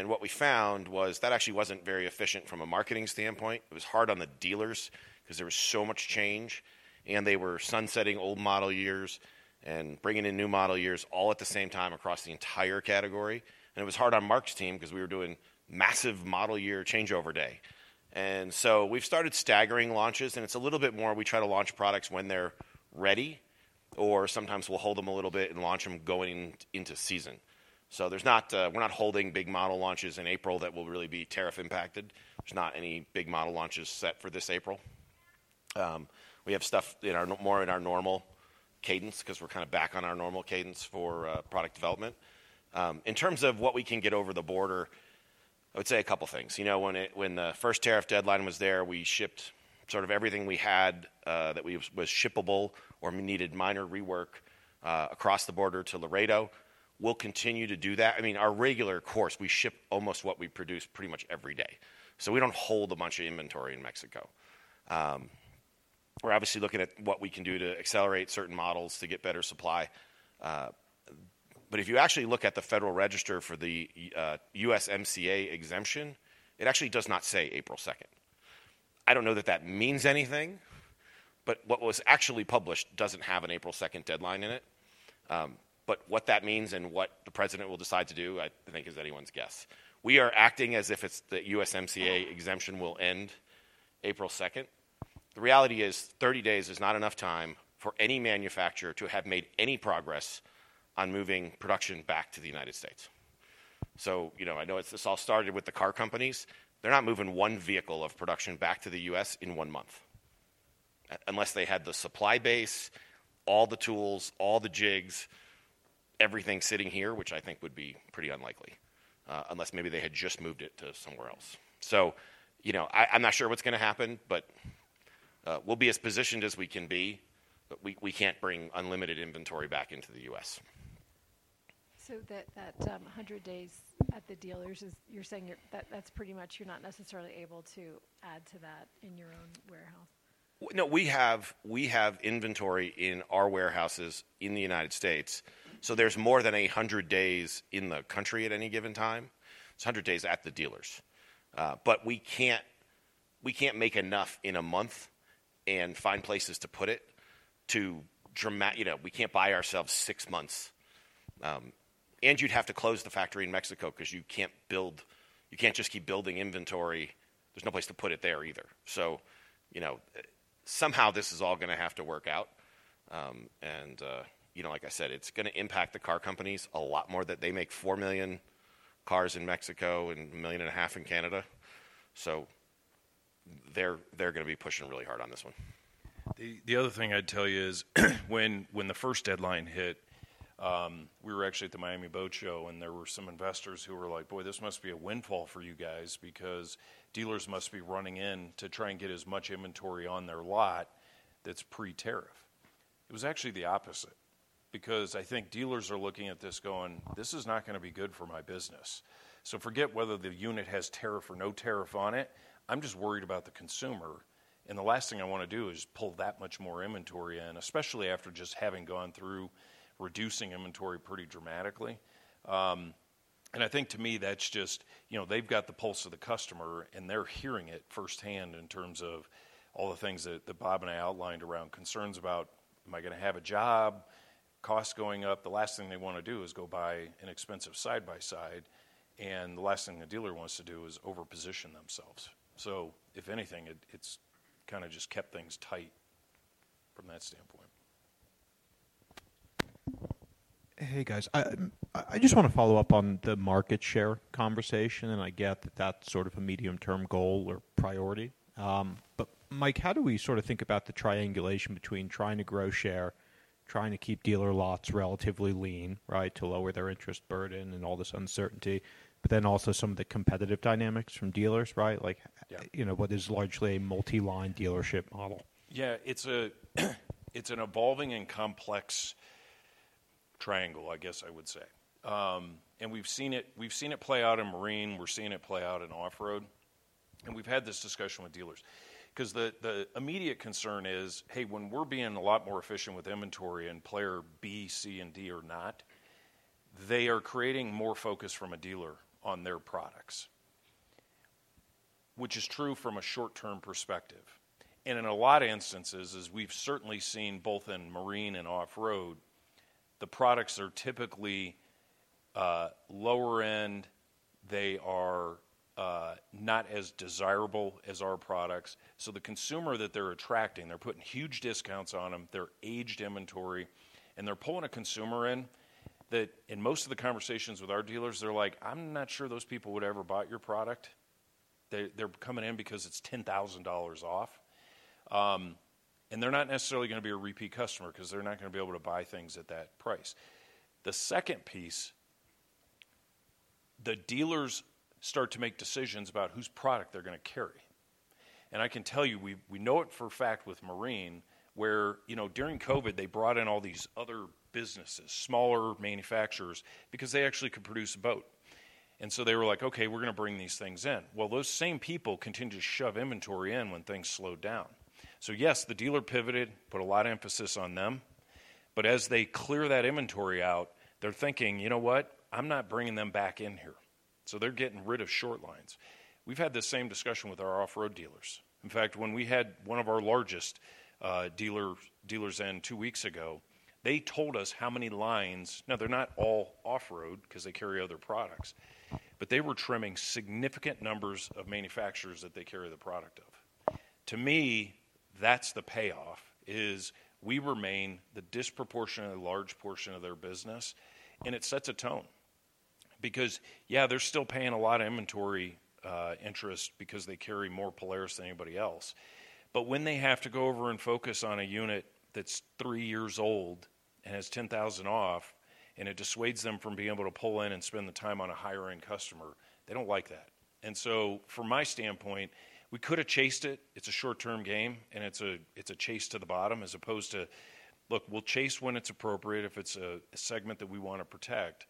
What we found was that actually was not very efficient from a marketing standpoint. It was hard on the dealers because there was so much change. They were sunsetting old model years and bringing in new model years all at the same time across the entire category. It was hard on Marc's team because we were doing massive model year changeover day. We have started staggering launches. It is a little bit more we try to launch products when they are ready or sometimes we will hold them a little bit and launch them going into season. We are not holding big model launches in April that will really be tariff impacted. There are not any big model launches set for this April. We have stuff more in our normal cadence because we are kind of back on our normal cadence for product development. In terms of what we can get over the border, I would say a couple of things. You know, when the first tariff deadline was there, we shipped sort of everything we had that was shippable or needed minor rework across the border to Laredo. We will continue to do that. I mean, our regular course, we ship almost what we produce pretty much every day. We do not hold a bunch of inventory in Mexico. We are obviously looking at what we can do to accelerate certain models to get better supply. If you actually look at the Federal Register for the USMCA exemption, it actually does not say April 2. I do not know that that means anything, but what was actually published does not have an April 2 deadline in it. What that means and what the president will decide to do, I think is anyone's guess. We are acting as if the USMCA exemption will end April 2. The reality is 30 days is not enough time for any manufacturer to have made any progress on moving production back to the United States. You know, I know this all started with the car companies. They're not moving one vehicle of production back to the U.S. in one month unless they had the supply base, all the tools, all the jigs, everything sitting here, which I think would be pretty unlikely unless maybe they had just moved it to somewhere else. You know, I'm not sure what's going to happen, but we'll be as positioned as we can be, but we can't bring unlimited inventory back into the U.S. That hundred days at the dealers, you're saying that that's pretty much you're not necessarily able to add to that in your own warehouse? No, we have inventory in our warehouses in the United States. There's more than a hundred days in the country at any given time. It's a hundred days at the dealers. We can't make enough in a month and find places to put it to, you know, we can't buy ourselves six months. You'd have to close the factory in Mexico because you can't build, you can't just keep building inventory. There's no place to put it there either. You know, somehow this is all going to have to work out. You know, like I said, it's going to impact the car companies a lot more that they make 4 million cars in Mexico and 1.5 million in Canada. They're going to be pushing really hard on this one. The other thing I'd tell you is when the first deadline hit, we were actually at the Miami Boat Show and there were some investors who were like, boy, this must be a windfall for you guys because dealers must be running in to try and get as much inventory on their lot that's pre-tariff. It was actually the opposite because I think dealers are looking at this going, this is not going to be good for my business. Forget whether the unit has tariff or no tariff on it. I'm just worried about the consumer. The last thing I want to do is pull that much more inventory in, especially after just having gone through reducing inventory pretty dramatically. I think to me that's just, you know, they've got the pulse of the customer and they're hearing it firsthand in terms of all the things that Bob and I outlined around concerns about, am I going to have a job, cost going up. The last thing they want to do is go buy an expensive side by side. The last thing the dealer wants to do is overposition themselves. If anything, it's kind of just kept things tight from that standpoint. Hey guys, I just want to follow up on the market share conversation. I get that that's sort of a medium-term goal or priority. Mike, how do we sort of think about the triangulation between trying to grow share, trying to keep dealer lots relatively Lean, right, to lower their interest burden and all this uncertainty, but then also some of the competitive dynamics from dealers, right? Like, you know, what is largely a multi-line dealership model? Yeah, it's an evolving and complex triangle, I guess I would say. We've seen it play out in Marine. We're seeing it play out in Off-Road. We've had this discussion with dealers because the immediate concern is, hey, when we're being a lot more efficient with inventory and player B, C, and D are not, they are creating more focus from a dealer on their products, which is true from a short-term perspective. In a lot of instances, as we've certainly seen both in Marine and Off-Road, the products are typically lower-end. They are not as desirable as our products. The consumer that they're attracting, they're putting huge discounts on them. They're aged inventory. They're pulling a consumer in that, in most of the conversations with our dealers, they're like, I'm not sure those people would ever buy your product. They're coming in because it's $10,000 off. They're not necessarily going to be a repeat customer because they're not going to be able to buy things at that price. The second piece, the dealers start to make decisions about whose product they're going to carry. I can tell you, we know it for a fact with Marine where, you know, during COVID, they brought in all these other businesses, smaller manufacturers because they actually could produce a boat. They were like, okay, we're going to bring these things in. Those same people continue to shove inventory in when things slowed down. Yes, the dealer pivoted, put a lot of emphasis on them. As they clear that inventory out, they're thinking, you know what, I'm not bringing them back in here. They're getting rid of short lines. We've had the same discussion with our Off-Road dealers. In fact, when we had one of our largest dealers in two weeks ago, they told us how many lines, now they're not all Off-Road because they carry other products, but they were trimming significant numbers of manufacturers that they carry the product of. To me, that's the payoff is we remain the disproportionately large portion of their business. It sets a tone because, yeah, they're still paying a lot of inventory interest because they carry more Polaris than anybody else. When they have to go over and focus on a unit that's three years old and has 10,000 off and it dissuades them from being able to pull in and spend the time on a higher-end customer, they don't like that. From my standpoint, we could have chased it. It's a short-term game and it's a chase to the bottom as opposed to, look, we'll chase when it's appropriate if it's a segment that we want to protect.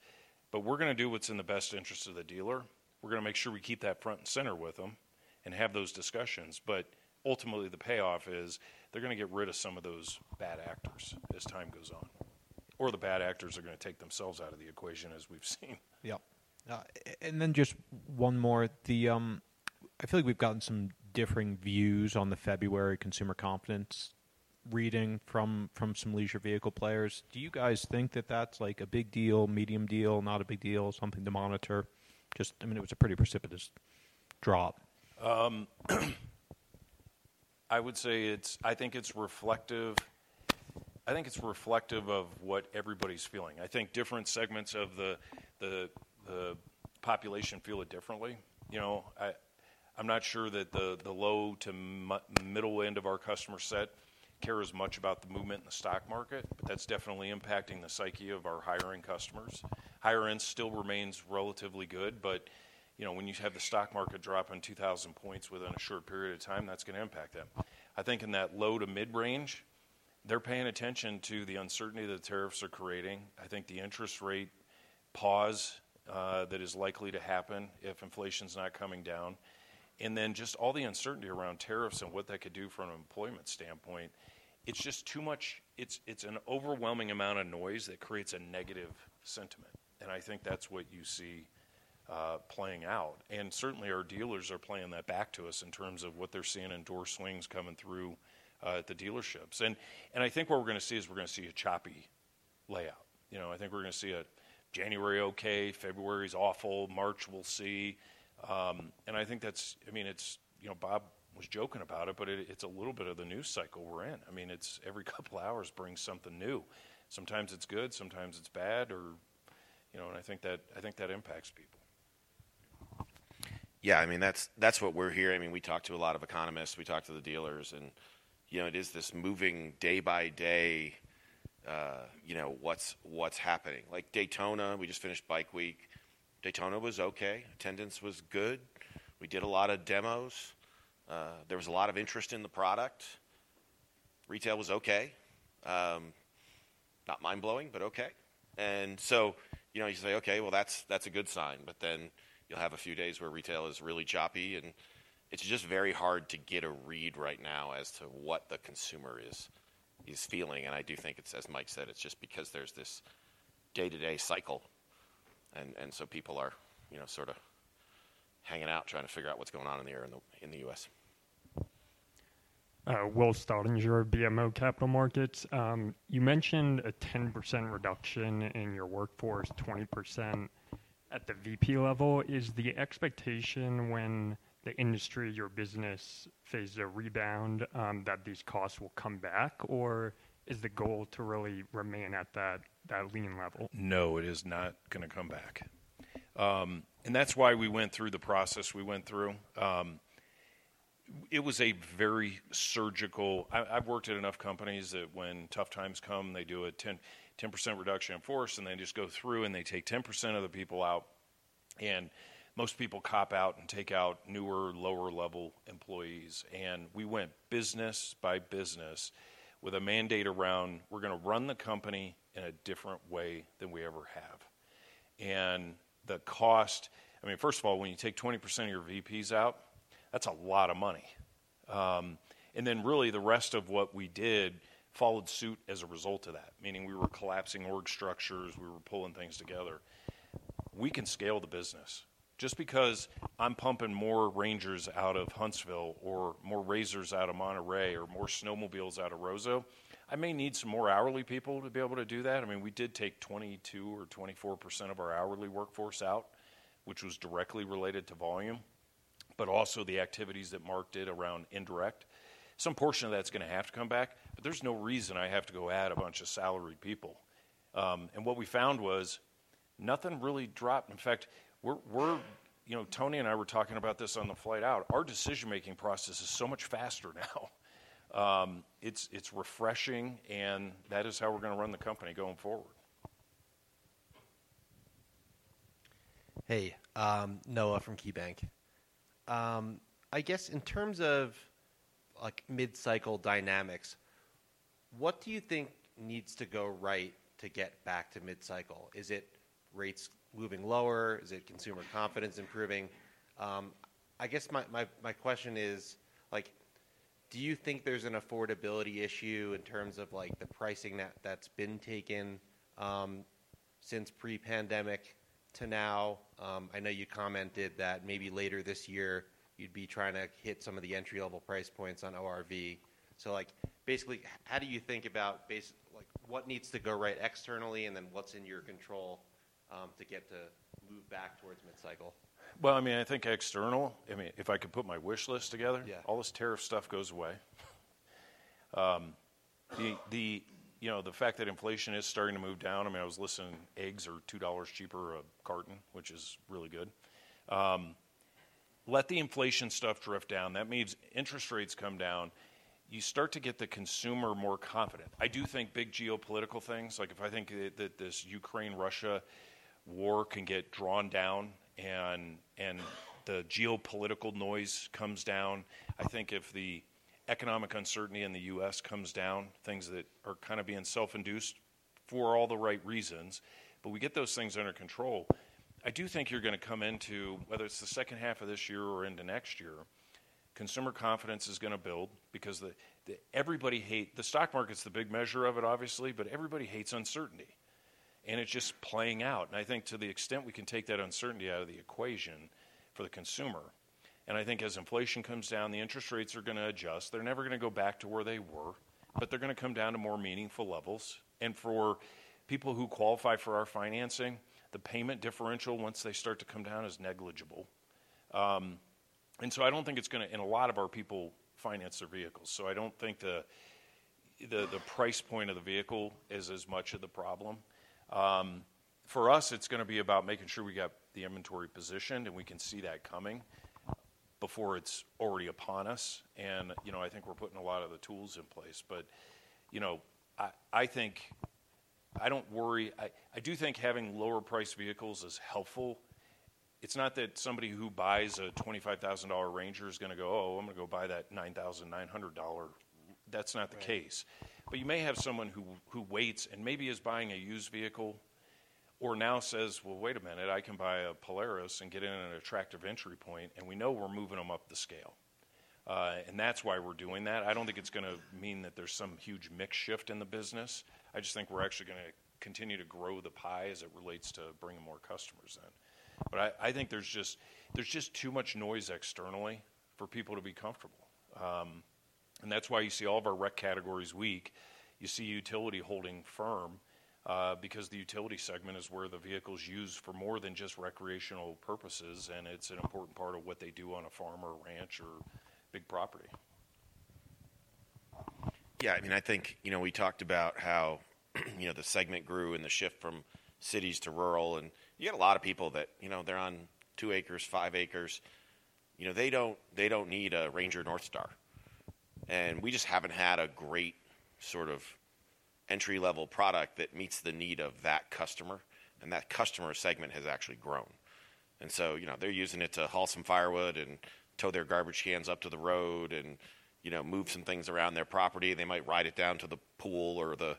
We're going to do what's in the best interest of the dealer. We're going to make sure we keep that front and center with them and have those discussions. Ultimately, the payoff is they're going to get rid of some of those bad actors as time goes on. Or the bad actors are going to take themselves out of the equation as we've seen. Yeah. Just one more. I feel like we've gotten some differing views on the February consumer confidence reading from some leisure vehicle players. Do you guys think that that's like a big deal, medium deal, not a big deal, something to monitor? I mean, it was a pretty precipitous drop. I would say it's, I think it's reflective. I think it's reflective of what everybody's feeling. I think different segments of the population feel it differently. You know, I'm not sure that the low to middle end of our customer set cares much about the movement in the stock market, but that's definitely impacting the psyche of our higher-end customers. Higher-end still remains relatively good, but, you know, when you have the stock market drop 2,000 points within a short period of time, that's going to impact them. I think in that low to mid range, they're paying attention to the uncertainty that tariffs are creating. I think the interest rate pause that is likely to happen if inflation's not coming down. Then just all the uncertainty around tariffs and what that could do from an employment standpoint, it's just too much. It's an overwhelming amount of noise that creates a negative sentiment. I think that's what you see playing out. Certainly our dealers are playing that back to us in terms of what they're seeing in door swings coming through at the dealerships. I think what we're going to see is we're going to see a choppy layout. You know, I think we're going to see a January okay, February's awful, March we'll see. I think that's, I mean, it's, you know, Bob was joking about it, but it's a little bit of the news cycle we're in. I mean, every couple of hours brings something new. Sometimes it's good, sometimes it's bad or, you know, and I think that impacts people. Yeah, I mean, that's what we're hearing. I mean, we talked to a lot of economists. We talked to the dealers and, you know, it is this moving day by day, you know, what's happening. Like Daytona, we just finished Bike Week. Daytona was okay. Attendance was good. We did a lot of demos. There was a lot of interest in the product. Retail was okay. Not mind-blowing, but okay. You say, okay, well that's a good sign. You will have a few days where retail is really choppy and it is just very hard to get a read right now as to what the consumer is feeling. I do think it is, as Mike said, just because there is this day-to-day cycle. People are, you know, sort of hanging out trying to figure out what is going on in the air in the U.S. Will Staudinger, your BMO Capital Markets, you mentioned a 10% reduction in your workforce, 20% at the VP level. Is the expectation when the industry, your business, faces a rebound that these costs will come back or is the goal to really remain at that Lean level? No, it is not going to come back. That is why we went through the process we went through. It was very surgical. I've worked at enough companies that when tough times come, they do a 10% reduction in force and they just go through and they take 10% of the people out. Most people cop out and take out newer, lower-level employees. We went business by business with a mandate around we're going to run the company in a different way than we ever have. The cost, I mean, first of all, when you take 20% of your VPs out, that's a lot of money. The rest of what we did followed suit as a result of that, meaning we were collapsing org structures, we were pulling things together. We can scale the business. Just because I'm pumping more Rangers out of Huntsville or more RZRs out of Monterey or more snowmobiles out of Roseau, I may need some more hourly people to be able to do that. I mean, we did take 22% or 24% of our hourly workforce out, which was directly related to volume, but also the activities that Marc did around indirect. Some portion of that's going to have to come back, but there's no reason I have to go add a bunch of salaried people. What we found was nothing really dropped. In fact, we're, you know, Tony and I were talking about this on the flight out. Our decision-making process is so much faster now. It's refreshing and that is how we're going to run the company going forward. Hey, Noah from KeyBanc. I guess in terms of like mid-cycle dynamics, what do you think needs to go right to get back to mid-cycle? Is it rates moving lower? Is it consumer confidence improving? I guess my question is like, do you think there's an affordability issue in terms of like the pricing that's been taken since pre-pandemic to now? I know you commented that maybe later this year you'd be trying to hit some of the entry-level price points on ORV. So like basically how do you think about like what needs to go right externally and then what's in your control to get to move back towards mid-cycle? I mean, I think external, I mean, if I could put my wish list together, all this tariff stuff goes away. The, you know, the fact that inflation is starting to move down, I mean, I was listening, eggs are $2 cheaper a carton, which is really good. Let the inflation stuff drift down. That means interest rates come down. You start to get the consumer more confident. I do think big geopolitical things, like if I think that this Ukraine-Russia war can get drawn down and the geopolitical noise comes down, I think if the economic uncertainty in the U.S. comes down, things that are kind of being self-induced for all the right reasons, but we get those things under control. I do think you're going to come into, whether it's the second half of this year or into next year, consumer confidence is going to build because everybody hates, the stock market's the big measure of it obviously, but everybody hates uncertainty. It's just playing out. I think to the extent we can take that uncertainty out of the equation for the consumer. I think as inflation comes down, the interest rates are going to adjust. They're never going to go back to where they were, but they're going to come down to more meaningful levels. For people who qualify for our financing, the payment differential once they start to come down is negligible. I don't think it's going to, and a lot of our people finance their vehicles. I don't think the price point of the vehicle is as much of the problem. For us, it's going to be about making sure we got the inventory positioned and we can see that coming before it's already upon us. You know, I think we're putting a lot of the tools in place. You know, I think I do not worry. I do think having lower-priced vehicles is helpful. It is not that somebody who buys a $25,000 Ranger is going to go, "Oh, I am going to go buy that $9,900." That is not the case. You may have someone who waits and maybe is buying a used vehicle or now says, "Wait a minute, I can buy a Polaris and get in at an attractive entry point." We know we are moving them up the scale. That is why we are doing that. I do not think it is going to mean that there is some huge mix shift in the business. I just think we are actually going to continue to grow the pie as it relates to bringing more customers in. I think there is just too much noise externally for people to be comfortable. That is why you see all of our rec categories weak. You see utility holding firm because the utility segment is where the vehicles are used for more than just recreational purposes. It is an important part of what they do on a farm or a ranch or big property. Yeah, I mean, I think, you know, we talked about how, you know, the segment grew and the shift from cities to rural. You get a lot of people that, you know, they are on two acres, five acres. You know, they do not need a Ranger Northstar. We just have not had a great sort of entry-level product that meets the need of that customer. That customer segment has actually grown. You know, they're using it to haul some firewood and tow their garbage cans up to the road and, you know, move some things around their property. They might ride it down to the pool or the,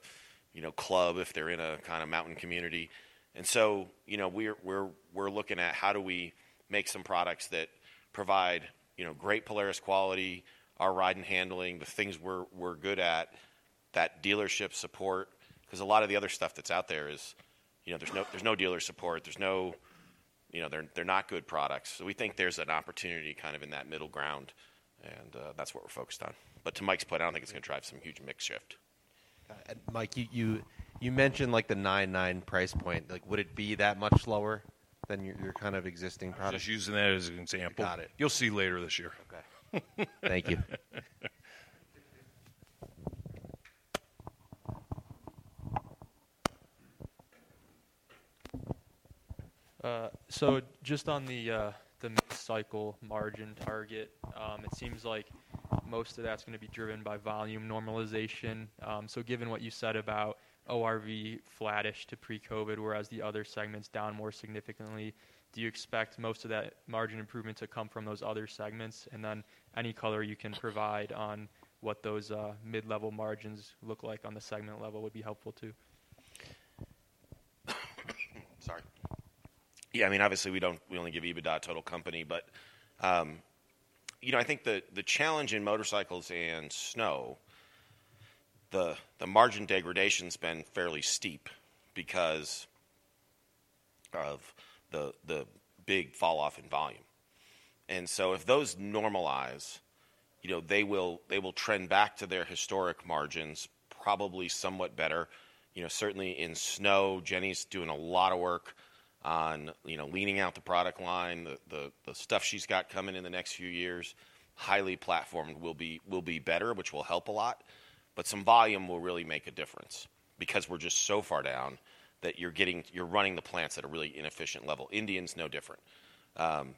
you know, club if they're in a kind of mountain community. You know, we're looking at how do we make some products that provide, you know, great Polaris quality, our ride and handling, the things we're good at, that dealership support. Because a lot of the other stuff that's out there is, you know, there's no dealer support. There's no, you know, they're not good products. We think there's an opportunity kind of in that middle ground. That's what we're focused on. To Mike's point, I don't think it's going to drive some huge mix shift. Mike, you mentioned like the 9.9 price point. Like would it be that much lower than your kind of existing product? Just using that as an example. Got it. You'll see later this year. Okay. Thank you. Just on the mid-cycle margin target, it seems like most of that's going to be driven by volume normalization. Given what you said about ORV flattish to pre-COVID, whereas the other segments down more significantly, do you expect most of that margin improvement to come from those other segments? Any color you can provide on what those mid-level margins look like on the segment level would be helpful too. Sorry. Yeah, I mean, obviously we don't, we only give EBITDA total company, but you know, I think the challenge in motorcycles and snow, the margin degradation has been fairly steep because of the big falloff in volume. If those normalize, you know, they will trend back to their historic margins, probably somewhat better. You know, certainly in snow, Jenny's doing a lot of work on, you know, Leaning out the product line, the stuff she's got coming in the next few years. Highly platformed will be better, which will help a lot. Some volume will really make a difference because we're just so far down that you're getting, you're running the plants at a really inefficient level. Indian's no different.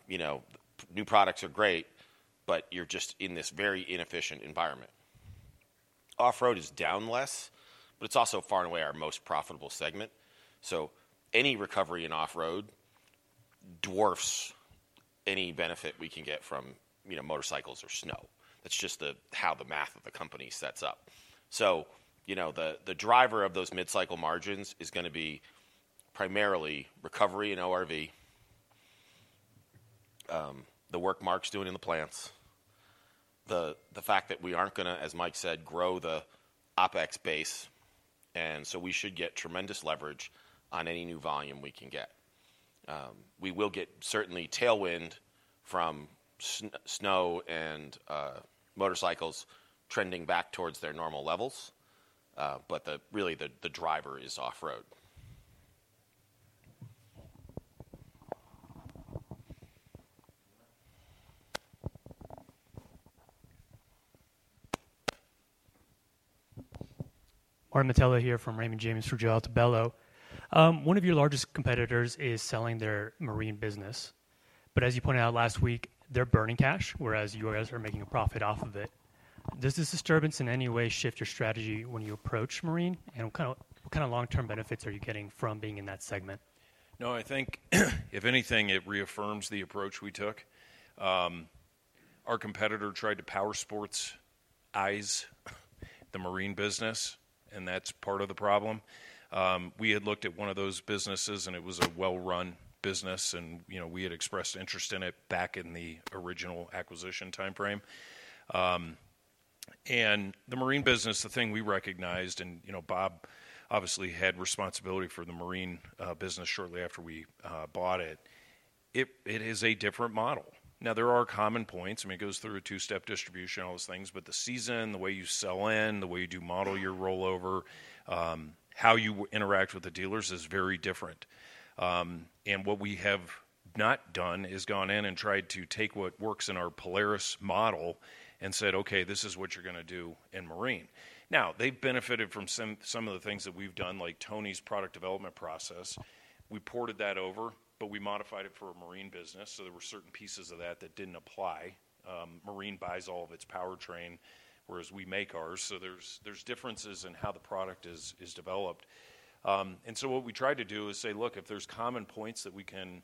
You know, new products are great, but you're just in this very inefficient environment. Off-road is down less, but it's also far and away our most profitable segment. Any recovery in Off-Road dwarfs any benefit we can get from, you know, motorcycles or snow. That's just how the math of the company sets up. You know, the driver of those mid-cycle margins is going to be primarily recovery in ORV, the work Marc's doing in the plants, the fact that we aren't going to, as Mike said, grow the OpEx base. We should get tremendous leverage on any new volume we can get. We will get certainly tailwind from snow and motorcycles trending back towards their normal levels. Really the driver is Off-Road. Martin Mitela here from Raymond James for Joe Altibello. One of your largest competitors is selling their marine business. As you pointed out last week, they're burning cash, whereas you guys are making a profit off of it. Does this disturbance in any way shift your strategy when you approach marine? What kind of long-term benefits are you getting from being in that segment? No, I think if anything, it reaffirms the approach we took. Our competitor tried to Powersports eyes the marine business, and that's part of the problem. We had looked at one of those businesses, and it was a well-run business. You know, we had expressed interest in it back in the original acquisition timeframe. The marine business, the thing we recognized, and, you know, Bob obviously had responsibility for the marine business shortly after we bought it, it is a different model. Now, there are common points. I mean, it goes through a two-step distribution, all those things. The season, the way you sell in, the way you do model your rollover, how you interact with the dealers is very different. What we have not done is gone in and tried to take what works in our Polaris model and said, "Okay, this is what you're going to do in marine." They have benefited from some of the things that we have done, like Tony's product development process. We ported that over, but we modified it for a marine business. There were certain pieces of that that did not apply. Marine buys all of its powertrain, whereas we make ours. There are differences in how the product is developed. What we tried to do is say, "Look, if there are common points that we can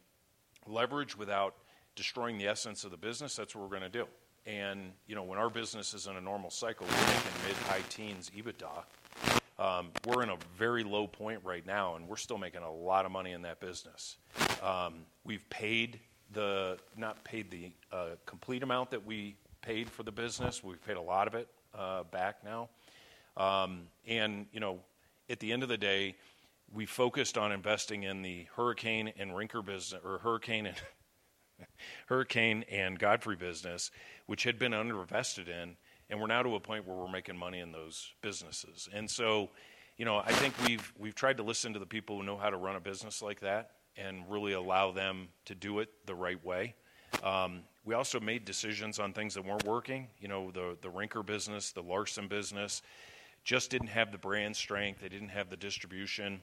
leverage without destroying the essence of the business, that's what we're going to do." You know, when our business is in a normal cycle, we are making mid-high teens EBITDA. We're in a very low point right now, and we're still making a lot of money in that business. We've paid the, not paid the complete amount that we paid for the business. We've paid a lot of it back now. You know, at the end of the day, we focused on investing in the Hurricane and Godfrey business, which had been under-invested in. We're now to a point where we're making money in those businesses. You know, I think we've tried to listen to the people who know how to run a business like that and really allow them to do it the right way. We also made decisions on things that weren't working. You know, the Rinker business, the Larson business just didn't have the brand strength. They didn't have the distribution.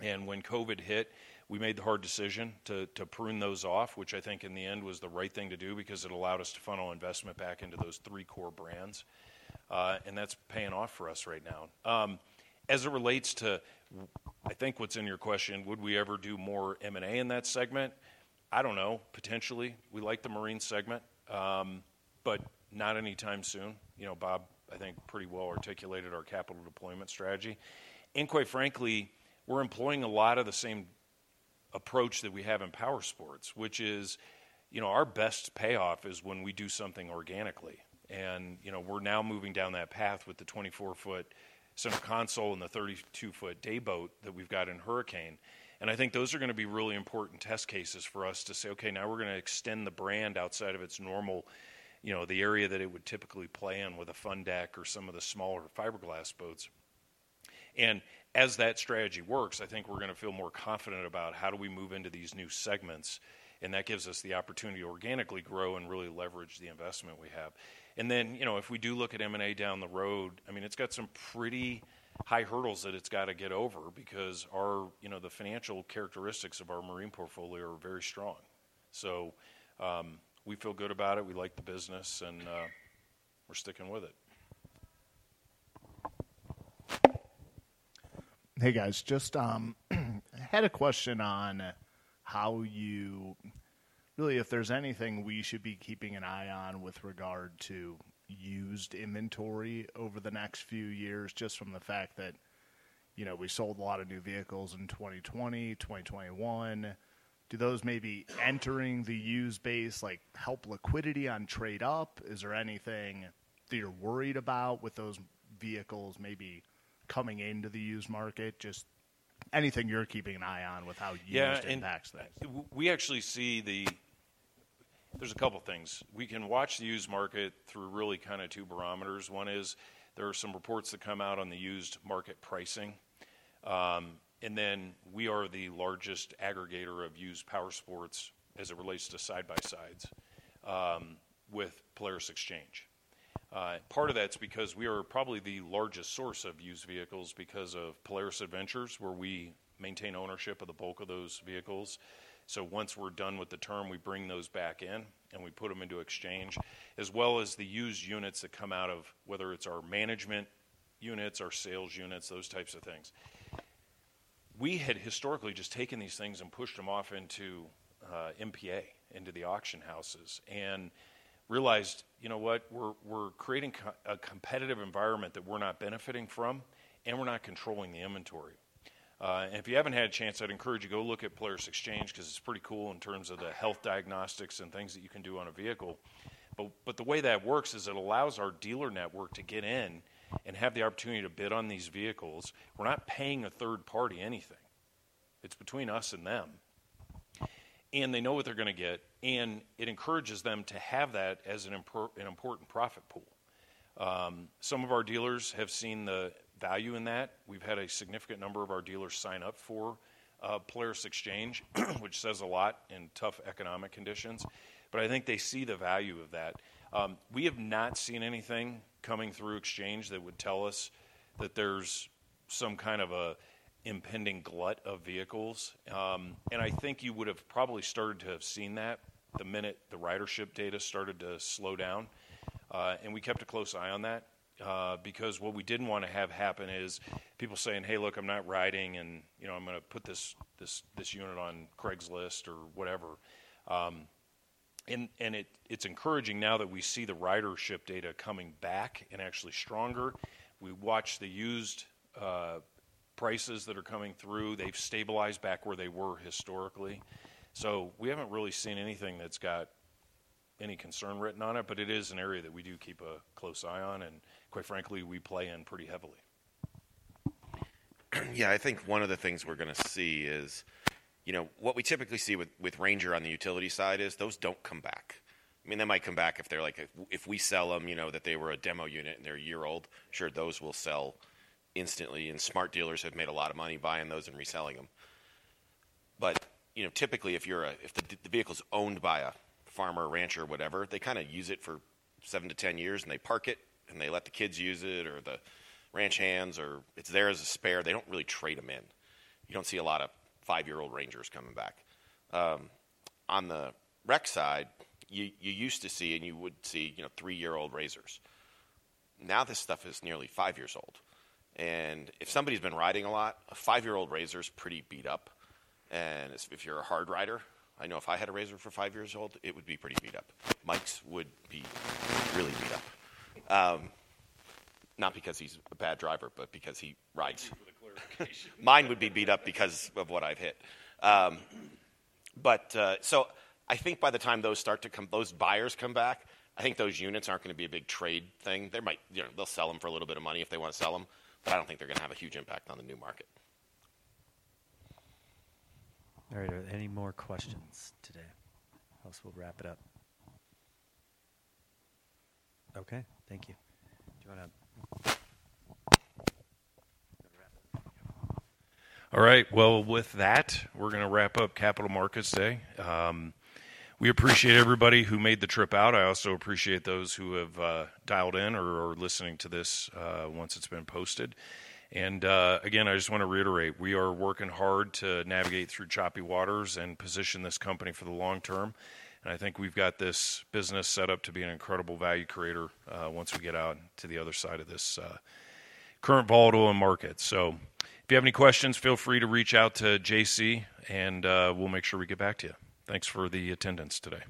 When COVID hit, we made the hard decision to prune those off, which I think in the end was the right thing to do because it allowed us to funnel investment back into those three core brands. That is paying off for us right now. As it relates to, I think what is in your question, would we ever do more M&A in that segment? I do not know, potentially. We like the marine segment, but not anytime soon. You know, Bob, I think pretty well articulated our capital deployment strategy. Quite frankly, we are employing a lot of the same approach that we have in Powersports, which is, you know, our best payoff is when we do something organically. You know, we are now moving down that path with the 24-foot center console and the 32-foot day boat that we have got in Hurricane. I think those are going to be really important test cases for us to say, "Okay, now we're going to extend the brand outside of its normal, you know, the area that it would typically play in with a fund deck or some of the smaller fiberglass boats." As that strategy works, I think we're going to feel more confident about how do we move into these new segments. That gives us the opportunity to organically grow and really leverage the investment we have. You know, if we do look at M&A down the road, I mean, it's got some pretty high hurdles that it's got to get over because our, you know, the financial characteristics of our marine portfolio are very strong. We feel good about it. We like the business and we're sticking with it. Hey guys, just had a question on how you, really if there's anything we should be keeping an eye on with regard to used inventory over the next few years, just from the fact that, you know, we sold a lot of new vehicles in 2020, 2021. Do those maybe entering the used base like help liquidity on trade-up? Is there anything that you're worried about with those vehicles maybe coming into the used market? Just anything you're keeping an eye on with how used impacts things? We actually see the, there's a couple of things. We can watch the used market through really kind of two barometers. One is there are some reports that come out on the used market pricing. And then we are the largest aggregator of used Powersports as it relates to side-by-sides with Polaris Exchange. Part of that's because we are probably the largest source of used vehicles because of Polaris Adventures, where we maintain ownership of the bulk of those vehicles. Once we're done with the term, we bring those back in and we put them into exchange, as well as the used units that come out of whether it's our management units, our sales units, those types of things. We had historically just taken these things and pushed them off into MPA, into the auction houses, and realized, you know what, we're creating a competitive environment that we're not benefiting from and we're not controlling the inventory. If you haven't had a chance, I'd encourage you to go look at Polaris Exchange because it's pretty cool in terms of the health diagnostics and things that you can do on a vehicle. The way that works is it allows our dealer network to get in and have the opportunity to bid on these vehicles. We're not paying a third party anything. It's between us and them. They know what they're going to get. It encourages them to have that as an important profit pool. Some of our dealers have seen the value in that. We've had a significant number of our dealers sign up for Polaris Exchange, which says a lot in tough economic conditions. I think they see the value of that. We have not seen anything coming through Exchange that would tell us that there's some kind of an impending glut of vehicles. I think you would have probably started to have seen that the minute the ridership data started to slow down. We kept a close eye on that because what we did not want to have happen is people saying, "Hey, look, I'm not riding and, you know, I'm going to put this unit on Craig's list or whatever." It is encouraging now that we see the ridership data coming back and actually stronger. We watch the used prices that are coming through. They have stabilized back where they were historically. We have not really seen anything that has got any concern written on it, but it is an area that we do keep a close eye on. Quite frankly, we play in pretty heavily. I think one of the things we are going to see is, you know, what we typically see with Ranger on the utility side is those do not come back. I mean, they might come back if they're like, if we sell them, you know, that they were a demo unit and they're a year old, sure, those will sell instantly. And smart dealers have made a lot of money buying those and reselling them. But, you know, typically if you're a, if the vehicle's owned by a farmer, rancher, whatever, they kind of use it for seven to ten years and they park it and they let the kids use it or the ranch hands or it's there as a spare. They don't really trade them in. You don't see a lot of five-year-old Rangers coming back. On the rec side, you used to see and you would see, you know, three-year-old RZRs. Now this stuff is nearly five years old. And if somebody's been riding a lot, a five-year-old RZR's pretty beat up. If you're a hard rider, I know if I had a RZR for five years old, it would be pretty beat up. Mike's would be really beat up. Not because he's a bad driver, but because he rides. Mine would be beat up because of what I've hit. I think by the time those buyers come back, I think those units aren't going to be a big trade thing. They might, you know, they'll sell them for a little bit of money if they want to sell them, but I don't think they're going to have a huge impact on the new market. All right, are there any more questions today? Else we'll wrap it up. Okay, thank you. Do you want to? All right, with that, we're going to wrap up Capital Markets Day. We appreciate everybody who made the trip out. I also appreciate those who have dialed in or are listening to this once it's been posted. I just want to reiterate, we are working hard to navigate through choppy waters and position this company for the long term. I think we've got this business set up to be an incredible value creator once we get out to the other side of this current volatile market. If you have any questions, feel free to reach out to JC and we'll make sure we get back to you. Thanks for the attendance today.